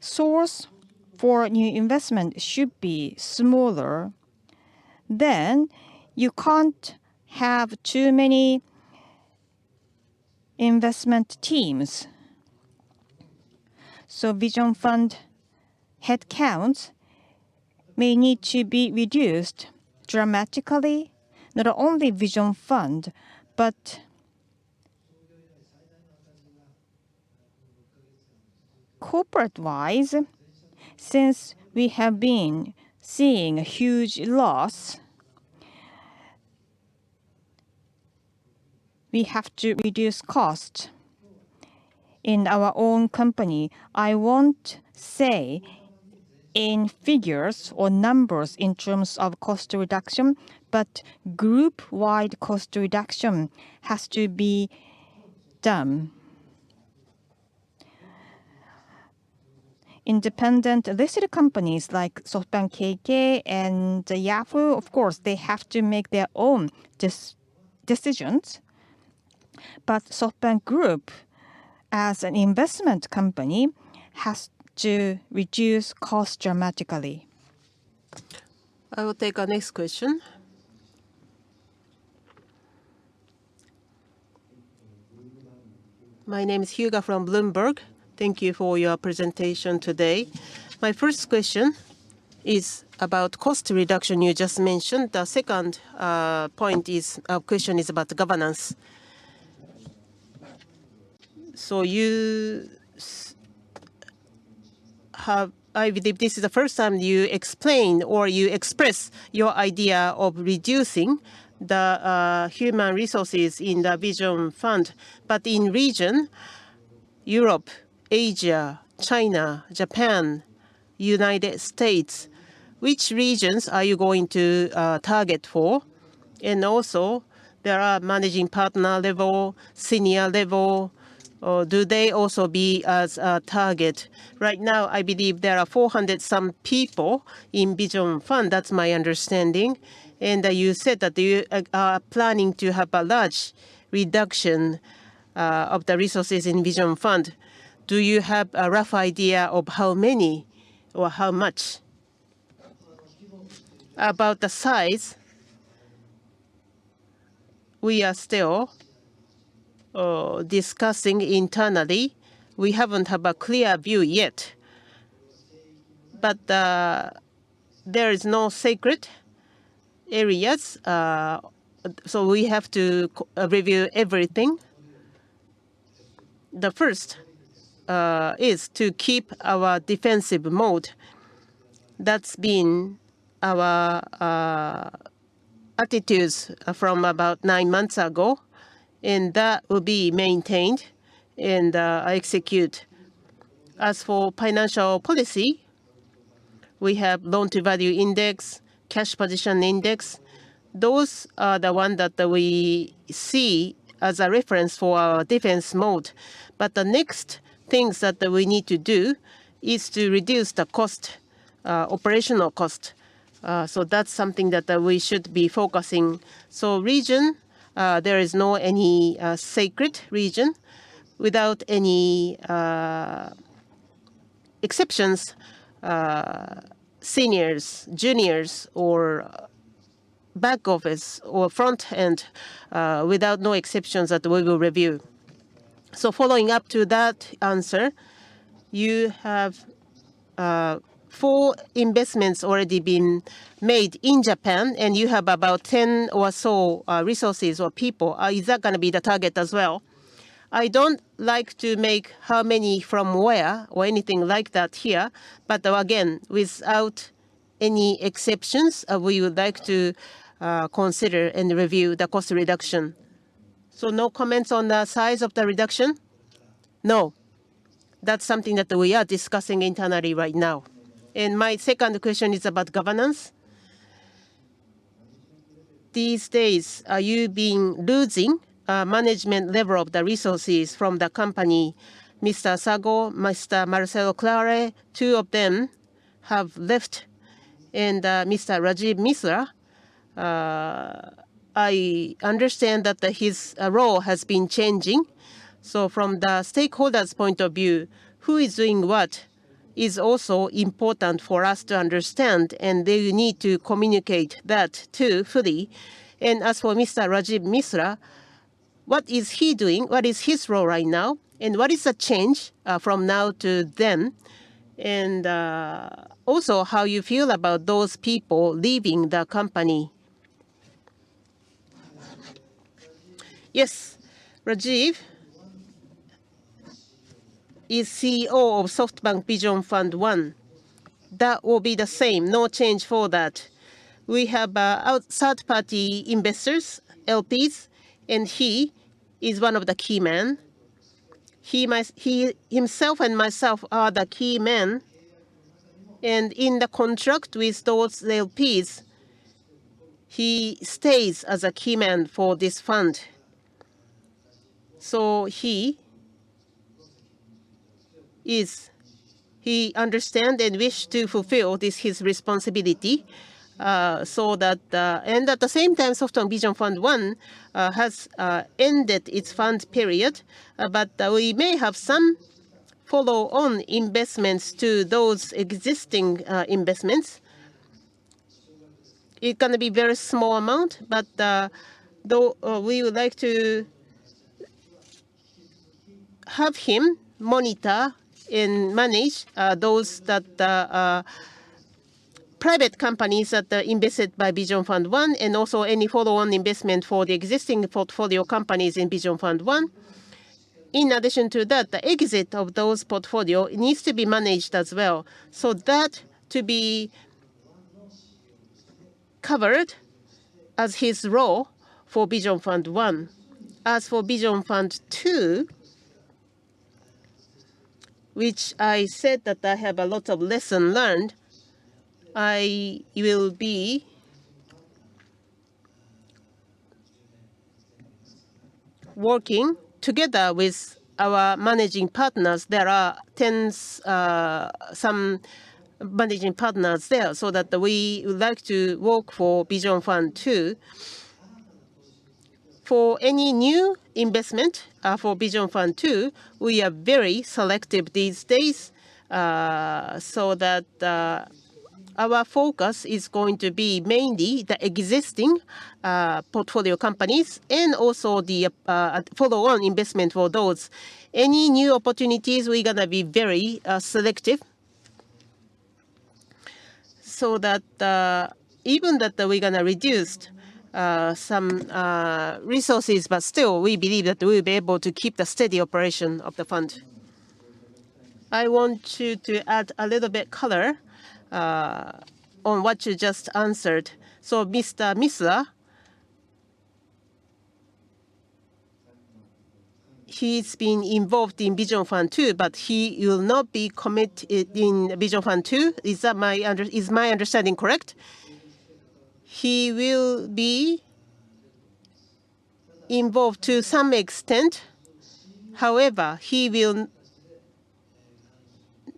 source for new investment should be smaller. You can't have too many investment teams. Vision Fund headcounts may need to be reduced dramatically. Not only Vision Fund, but corporate-wise, since we have been seeing a huge loss, we have to reduce cost in our own company. I won't say in figures or numbers in terms of cost reduction, but group-wide cost reduction has to be done. Independent listed companies like SoftBank KK and Yahoo, of course, they have to make their own decisions. SoftBank Group, as an investment company, has to reduce cost dramatically. I will take our next question. My name is Hyuga from Bloomberg. Thank you for your presentation today. My first question is about cost reduction you just mentioned. The second point is question is about the governance. You have I believe this is the first time you explain or you express your idea of reducing the human resources in the Vision Fund. But in region, Europe, Asia, China, Japan, United States, which regions are you going to target for? And also, there are managing partner level, senior level, do they also be as a target? Right now I believe there are 400-some people in Vision Fund, that's my understanding. You said that you are planning to have a large reduction of the resources in Vision Fund. Do you have a rough idea of how many or how much? About the size, we are still discussing internally. We haven't have a clear view yet. There is no sacred areas, so we have to review everything. The first is to keep our defensive mode. That's been our attitudes from about nine months ago, and that will be maintained and execute. As for financial policy, we have loan to value index, cash position index. Those are the one that we see as a reference for our defense mode. The next things that we need to do is to reduce the cost, operational cost. That's something that we should be focusing. Region, there is no any sacred region. Without any exceptions, seniors, juniors, or back office or front end, without no exceptions that we will review. Following up to that answer, you have four investments already been made in Japan, and you have about 10 or so resources or people. Is that gonna be the target as well? I don't like to make how many from where or anything like that here. Again, without any exceptions, we would like to consider and review the cost reduction. No comments on the size of the reduction? No. That's something that we are discussing internally right now. My second question is about governance. These days, are you losing management level of the resources from the company? Mr. Sago, Mr. Marcelo Claure, two of them have left. Mr. Rajeev Misra, I understand that his role has been changing. From the stakeholders' point of view, who is doing what is also important for us to understand, and they need to communicate that too fully. As for Mr. Rajeev Misra, what is he doing? What is his role right now? What is the change from now to then? Also how you feel about those people leaving the company. Yes. Rajeev is CEO of SoftBank Vision Fund 1. That will be the same, no change for that. We have third party investors, LPs, and he is one of the key men. He must, he himself and myself are the key men. In the contract with those LPs, he stays as a key man for this fund. He is. He understand and wish to fulfill this, his responsibility. At the same time, SoftBank Vision Fund 1 has ended its fund period. We may have some follow-on investments to those existing investments. It's gonna be very small amount, but though we would like to have him monitor and manage those private companies that are invested by Vision Fund 1, and also any follow-on investment for the existing portfolio companies in Vision Fund 1. In addition to that, the exit of those portfolio needs to be managed as well. That to be covered as his role for Vision Fund 1. As for Vision Fund 2, which I said that I have a lot of lesson learned, I will be working together with our managing partners. There are tens some managing partners there, so that we would like to work for Vision Fund 2. For any new investment for Vision Fund 2, we are very selective these days. Our focus is going to be mainly the existing portfolio companies and also the follow-on investment for those. Any new opportunities, we're gonna be very selective. Even that we're gonna reduced some resources, but still we believe that we'll be able to keep the steady operation of the fund. I want to add a little bit color on what you just answered. Mr. Misra, he's been involved in Vision Fund 2, but he will not be committed in Vision Fund 2. Is my understanding correct? He will be involved to some extent. However, he will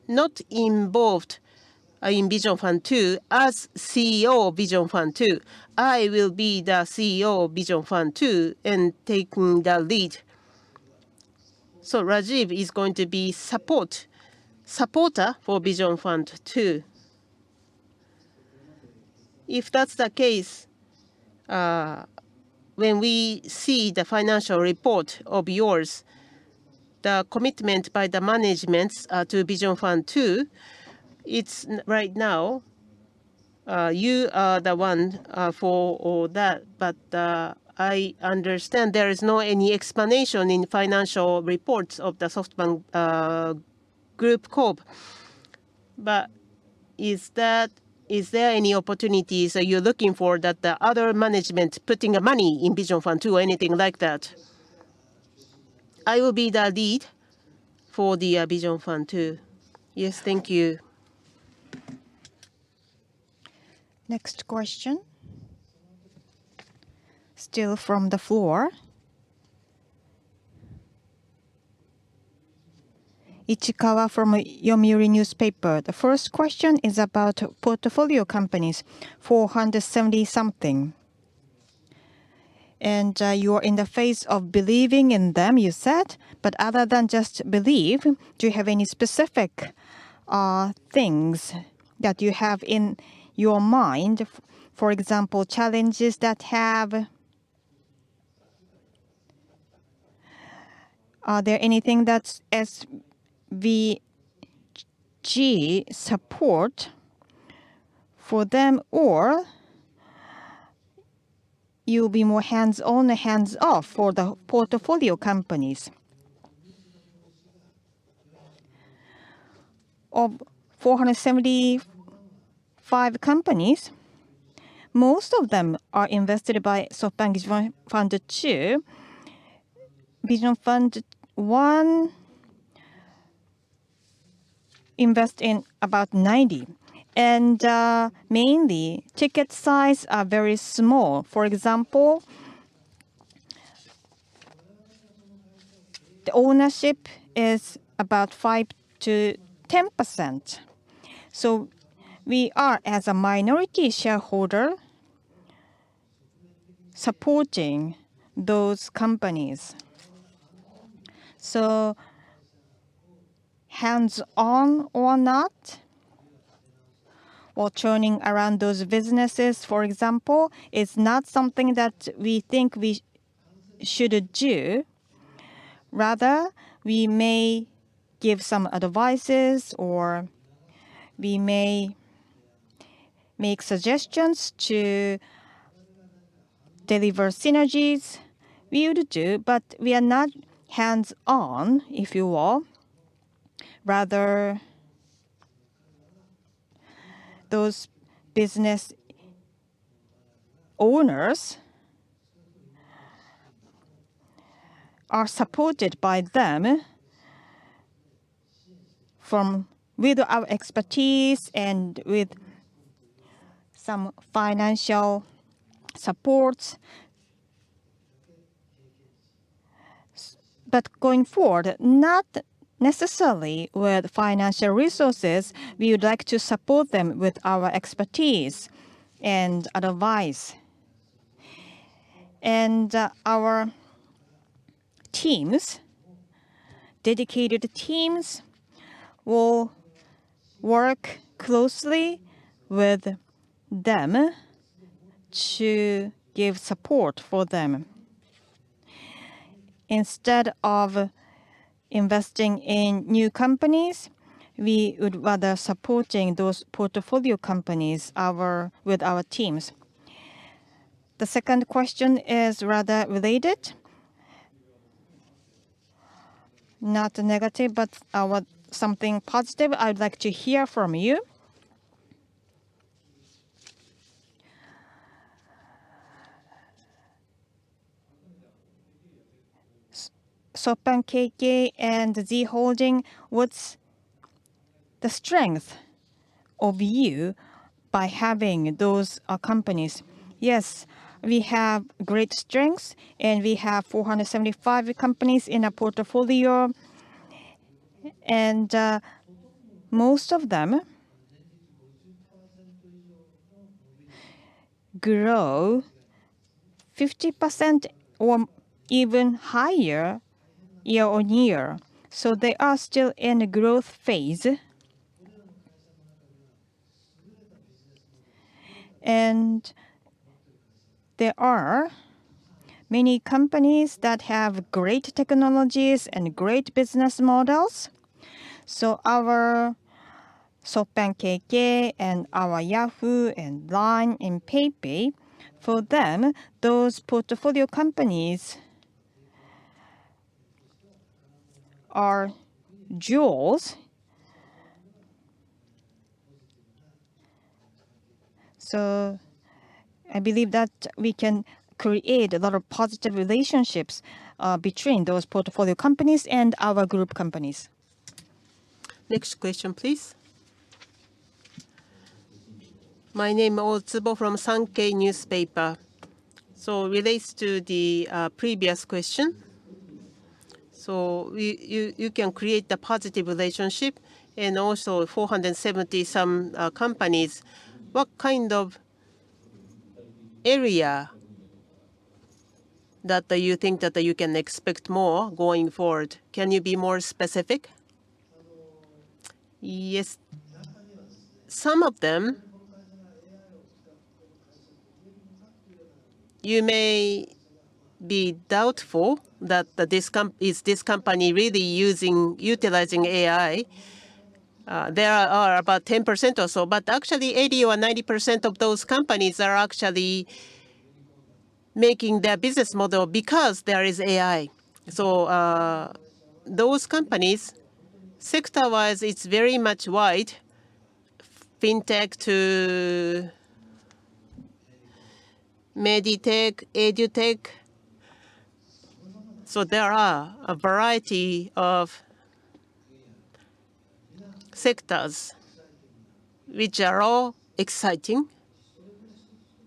not be involved in Vision Fund 2 as CEO Vision Fund 2. I will be the CEO Vision Fund 2 and taking the lead. Rajeev is going to be supporter for Vision Fund 2. If that's the case, when we see the financial report of yours, the commitment by the managements to Vision Fund 2, it's not right now, you are the one for all that. I understand there is no explanation in financial reports of the SoftBank Group Corp Is there any opportunities that you're looking for that the other management putting money in Vision Fund 2 or anything like that? I will be the lead for the Vision Fund 2. Yes, thank you. Next question. Still from the floor. Ichikawa from Yomiuri Shimbun. The first question is about portfolio companies, 470-something. You're in the phase of believing in them, you said, but other than just believe, do you have any specific things that you have in your mind? For example, challenges that have. Are there anything that's SBG support for them or you'll be more hands-on or hands off for the portfolio companies? Of 475 companies, most of them are invested by SoftBank's Vision Fund 2. SoftBank Vision Fund 1 invest in about 90. Mainly ticket size are very small. For example, the ownership is about 5%-10%. We are, as a minority shareholder, supporting those companies. Hands-on or not or turning around those businesses, for example, is not something that we think we should do. Rather, we may give some advice or we may make suggestions to deliver synergies. We would do, but we are not hands-on, if you will. Rather, those business owners are supported by them with our expertise and with some financial support. But going forward, not necessarily with financial resources, we would like to support them with our expertise and advice. Our teams, dedicated teams, will work closely with them to give support for them. Instead of investing in new companies, we would rather supporting those portfolio companies with our teams. The second question is rather related. Not negative, but I want something positive. I would like to hear from you. SoftBank KK and Z Holdings, what's the strength of you by having those companies? Yes, we have great strengths, and we have 475 companies in our portfolio. Most of them grow 50% or even higher year-on-year. They are still in a growth phase. There are many companies that have great technologies and great business models. Our SoftBank KK and our Yahoo! and LINE and PayPay, for them, those portfolio companies are jewels. I believe that we can create a lot of positive relationships between those portfolio companies and our group companies. Next question, please. My name Otsubo from Sankei Shimbun. Relates to the previous question. You can create the positive relationship and also 470-some companies. What kind of area that you think that you can expect more going forward? Can you be more specific? Yes. Some of them, you may be doubtful. Is this company really using, utilizing AI? There are about 10% or so. But actually 80% or 90% of those companies are actually making their business model because there is AI. Those companies, sector-wise, it's very much wide. Fintech to Medtech, EdTech. There are a variety of sectors which are all exciting.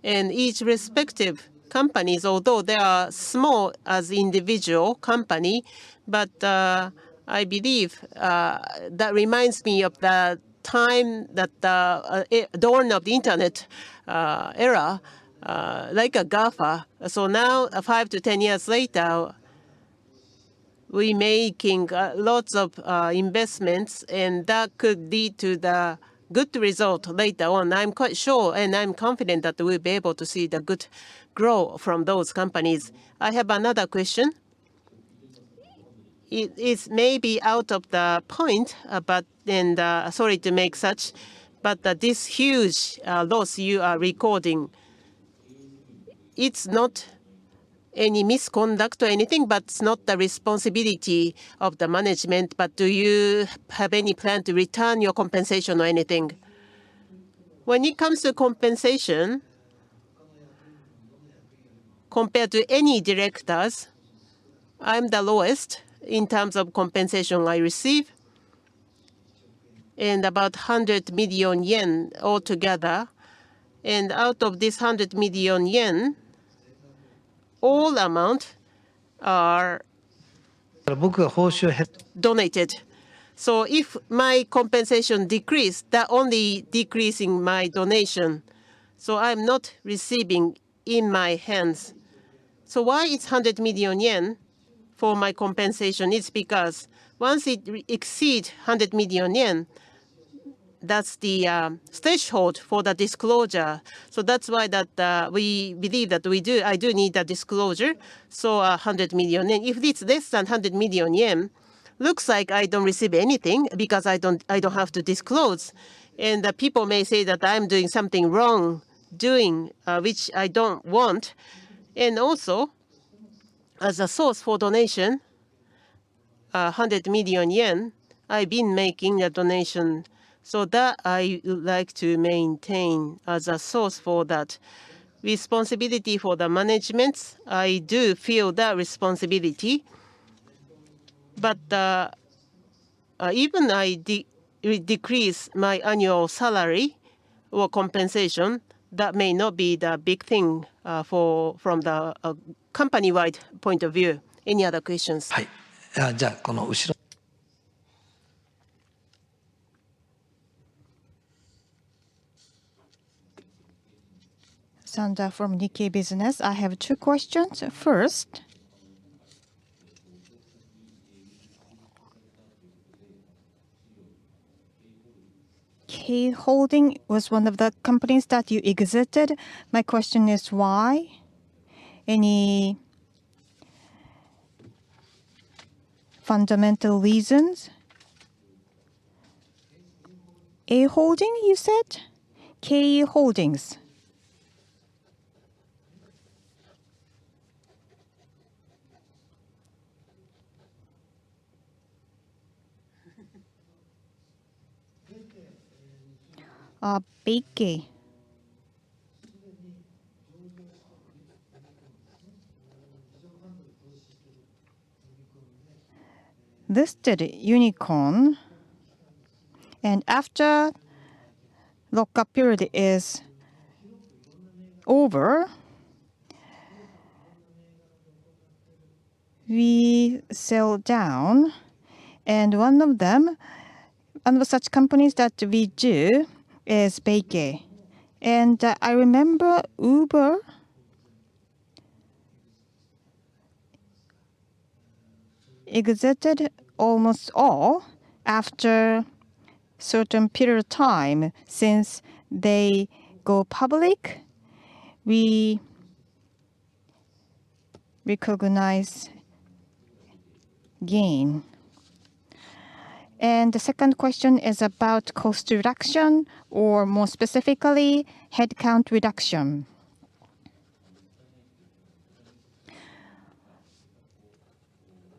Each respective companies, although they are small as individual company, but I believe that reminds me of the time that dawn of the internet era, like a GAFA. Now, 5-10 years later, we making lots of investments, and that could lead to the good result later on. I'm quite sure and I'm confident that we'll be able to see the good growth from those companies. I have another question. It's maybe beside the point, sorry to make such, but this huge loss you are recording, it's not any misconduct or anything, but it's not the responsibility of the management. Do you have any plan to return your compensation or anything? When it comes to compensation, compared to any directors, I'm the lowest in terms of compensation I receive, and about 100 million yen altogether. Out of this 100 million yen, all amount are donated. If my compensation decrease, that only decreasing my donation. I'm not receiving in my hands. Why it's 100 million yen for my compensation? It's because once it re-exceed 100 million yen, that's the threshold for the disclosure. That's why that we believe that I do need the disclosure, so 100 million yen. If it's less than 100 million yen, looks like I don't receive anything because I don't have to disclose, and the people may say that I'm doing something wrong, which I don't want. Also, as a source for donation, 100 million yen, I've been making a donation. That I would like to maintain as a source for that. Responsibility for the management, I do feel the responsibility. Even I decrease my annual salary or compensation, that may not be the big thing from the company-wide point of view. Any other questions? Sanda from Nikkei Business. I have two questions. First, KE Holdings was one of the companies that you exited. My question is why? Any fundamental reasons? KE Holdings, you said? KE Holdings. Beike. Listed unicorn, and after lock-up period is over, we sell down, and one of them, one of such companies that we do is Beike. I remember Uber. Exited almost all after certain period of time since they go public, we recognize gain. The second question is about cost reduction or more specifically headcount reduction.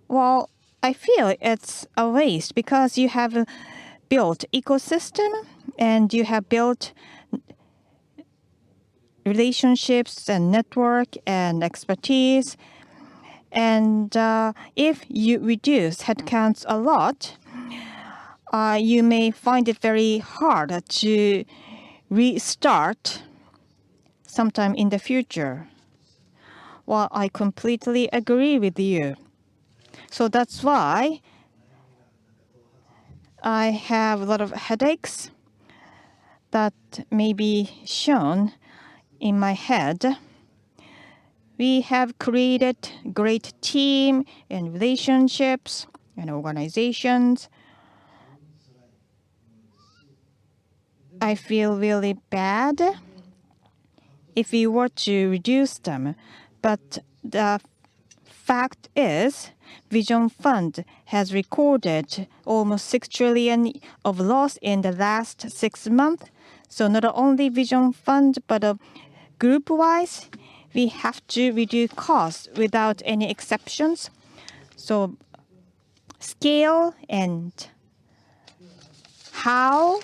Well, I feel it's a waste because you have built ecosystem, and you have built relationships, and network, and expertise. If you reduce headcounts a lot, you may find it very hard to restart sometime in the future. Well, I completely agree with you. That's why I have a lot of headaches that may be shown in my head. We have created great team, and relationships, and organizations. I feel really bad if we were to reduce them, but the fact is Vision Fund has recorded almost 6 trillion of loss in the last six months. Not only Vision Fund, but group-wise, we have to reduce costs without any exceptions. Scale and how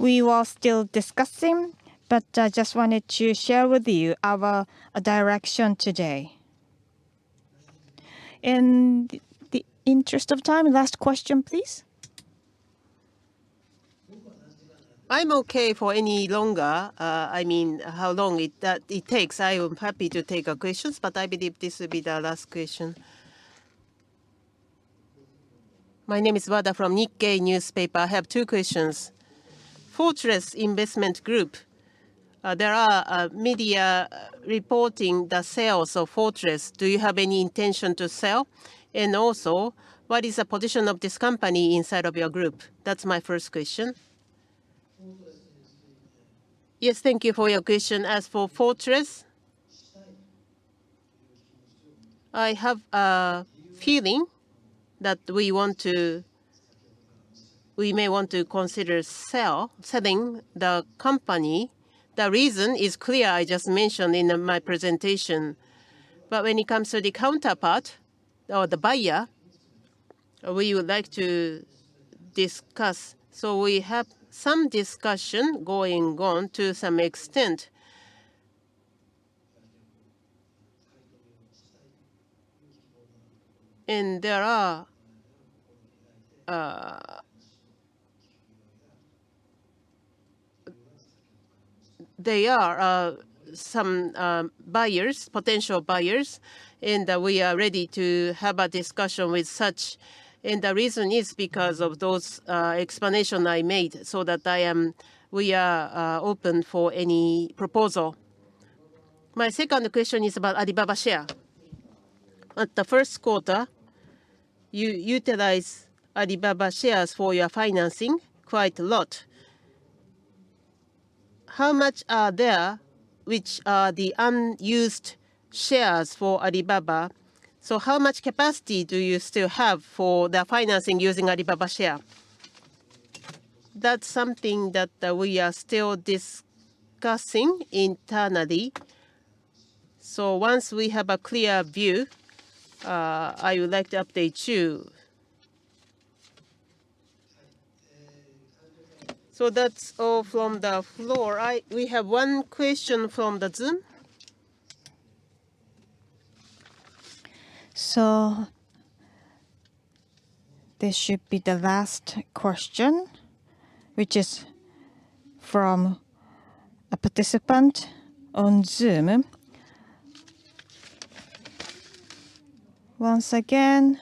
we are still discussing, but I just wanted to share with you our direction today. In the interest of time, last question, please. I'm okay for any longer. I mean, how long it takes. I am happy to take your questions, but I believe this will be the last question. My name is Wada from Nikkei. I have two questions. Fortress Investment Group, there are media reporting the sales of Fortress. Do you have any intention to sell? What is the position of this company inside of your group? That's my first question. Yes, thank you for your question. As for Fortress, I have a feeling that we may want to consider selling the company. The reason is clear. I just mentioned in my presentation. When it comes to the counterparty or the buyer, we would like to discuss. We have some discussion going on to some extent. There are some buyers, potential buyers, and we are ready to have a discussion with such. The reason is because of those explanations I made so that we are open for any proposal. My second question is about Alibaba share. At the first quarter, you utilize Alibaba shares for your financing quite a lot. How much are there which are the unused shares for Alibaba? How much capacity do you still have for the financing using Alibaba share? That's something that we are still discussing internally. Once we have a clear view, I would like to update you. That's all from the floor. We have one question from the Zoom. This should be the last question, which is from a participant on Zoom. Once again,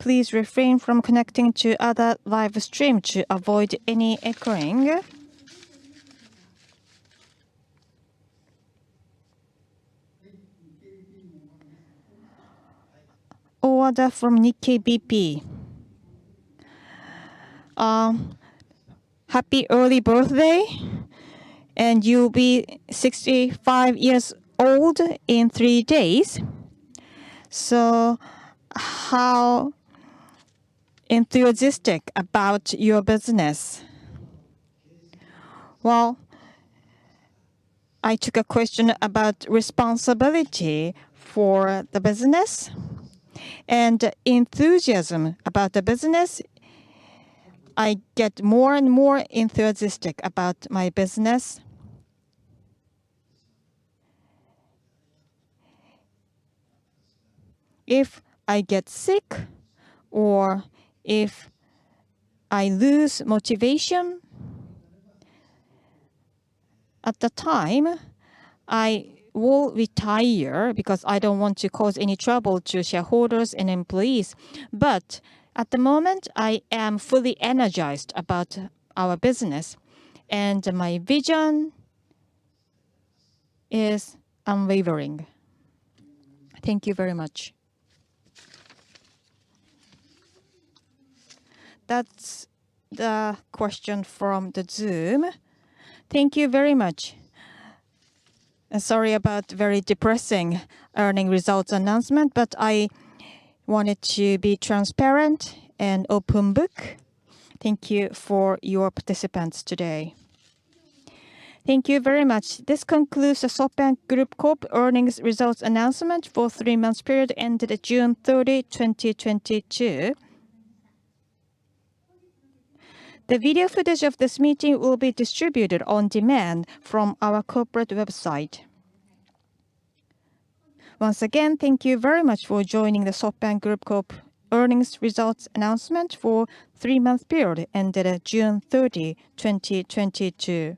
please refrain from connecting to other live stream to avoid any echoing. Wada from Nikkei BP. Happy early birthday, and you'll be 65 years old in three days. How enthusiastic about your business? Well, I took a question about responsibility for the business and enthusiasm about the business. I get more and more enthusiastic about my business. If I get sick or if I lose motivation, at the time, I will retire because I don't want to cause any trouble to shareholders and employees. At the moment, I am fully energized about our business and my vision is unwavering. Thank you very much. That's the question from the Zoom. Thank you very much. Sorry about very depressing earnings results announcement. I wanted to be transparent and open book. Thank you for your participation today. Thank you very much. This concludes the SoftBank Group Corp. earnings results announcement for three-month period ended June 30, 2022. The video footage of this meeting will be distributed on demand from our corporate website. Once again, thank you very much for joining the SoftBank Group Corp. earnings results announcement for three-month period ended at June 30, 2022.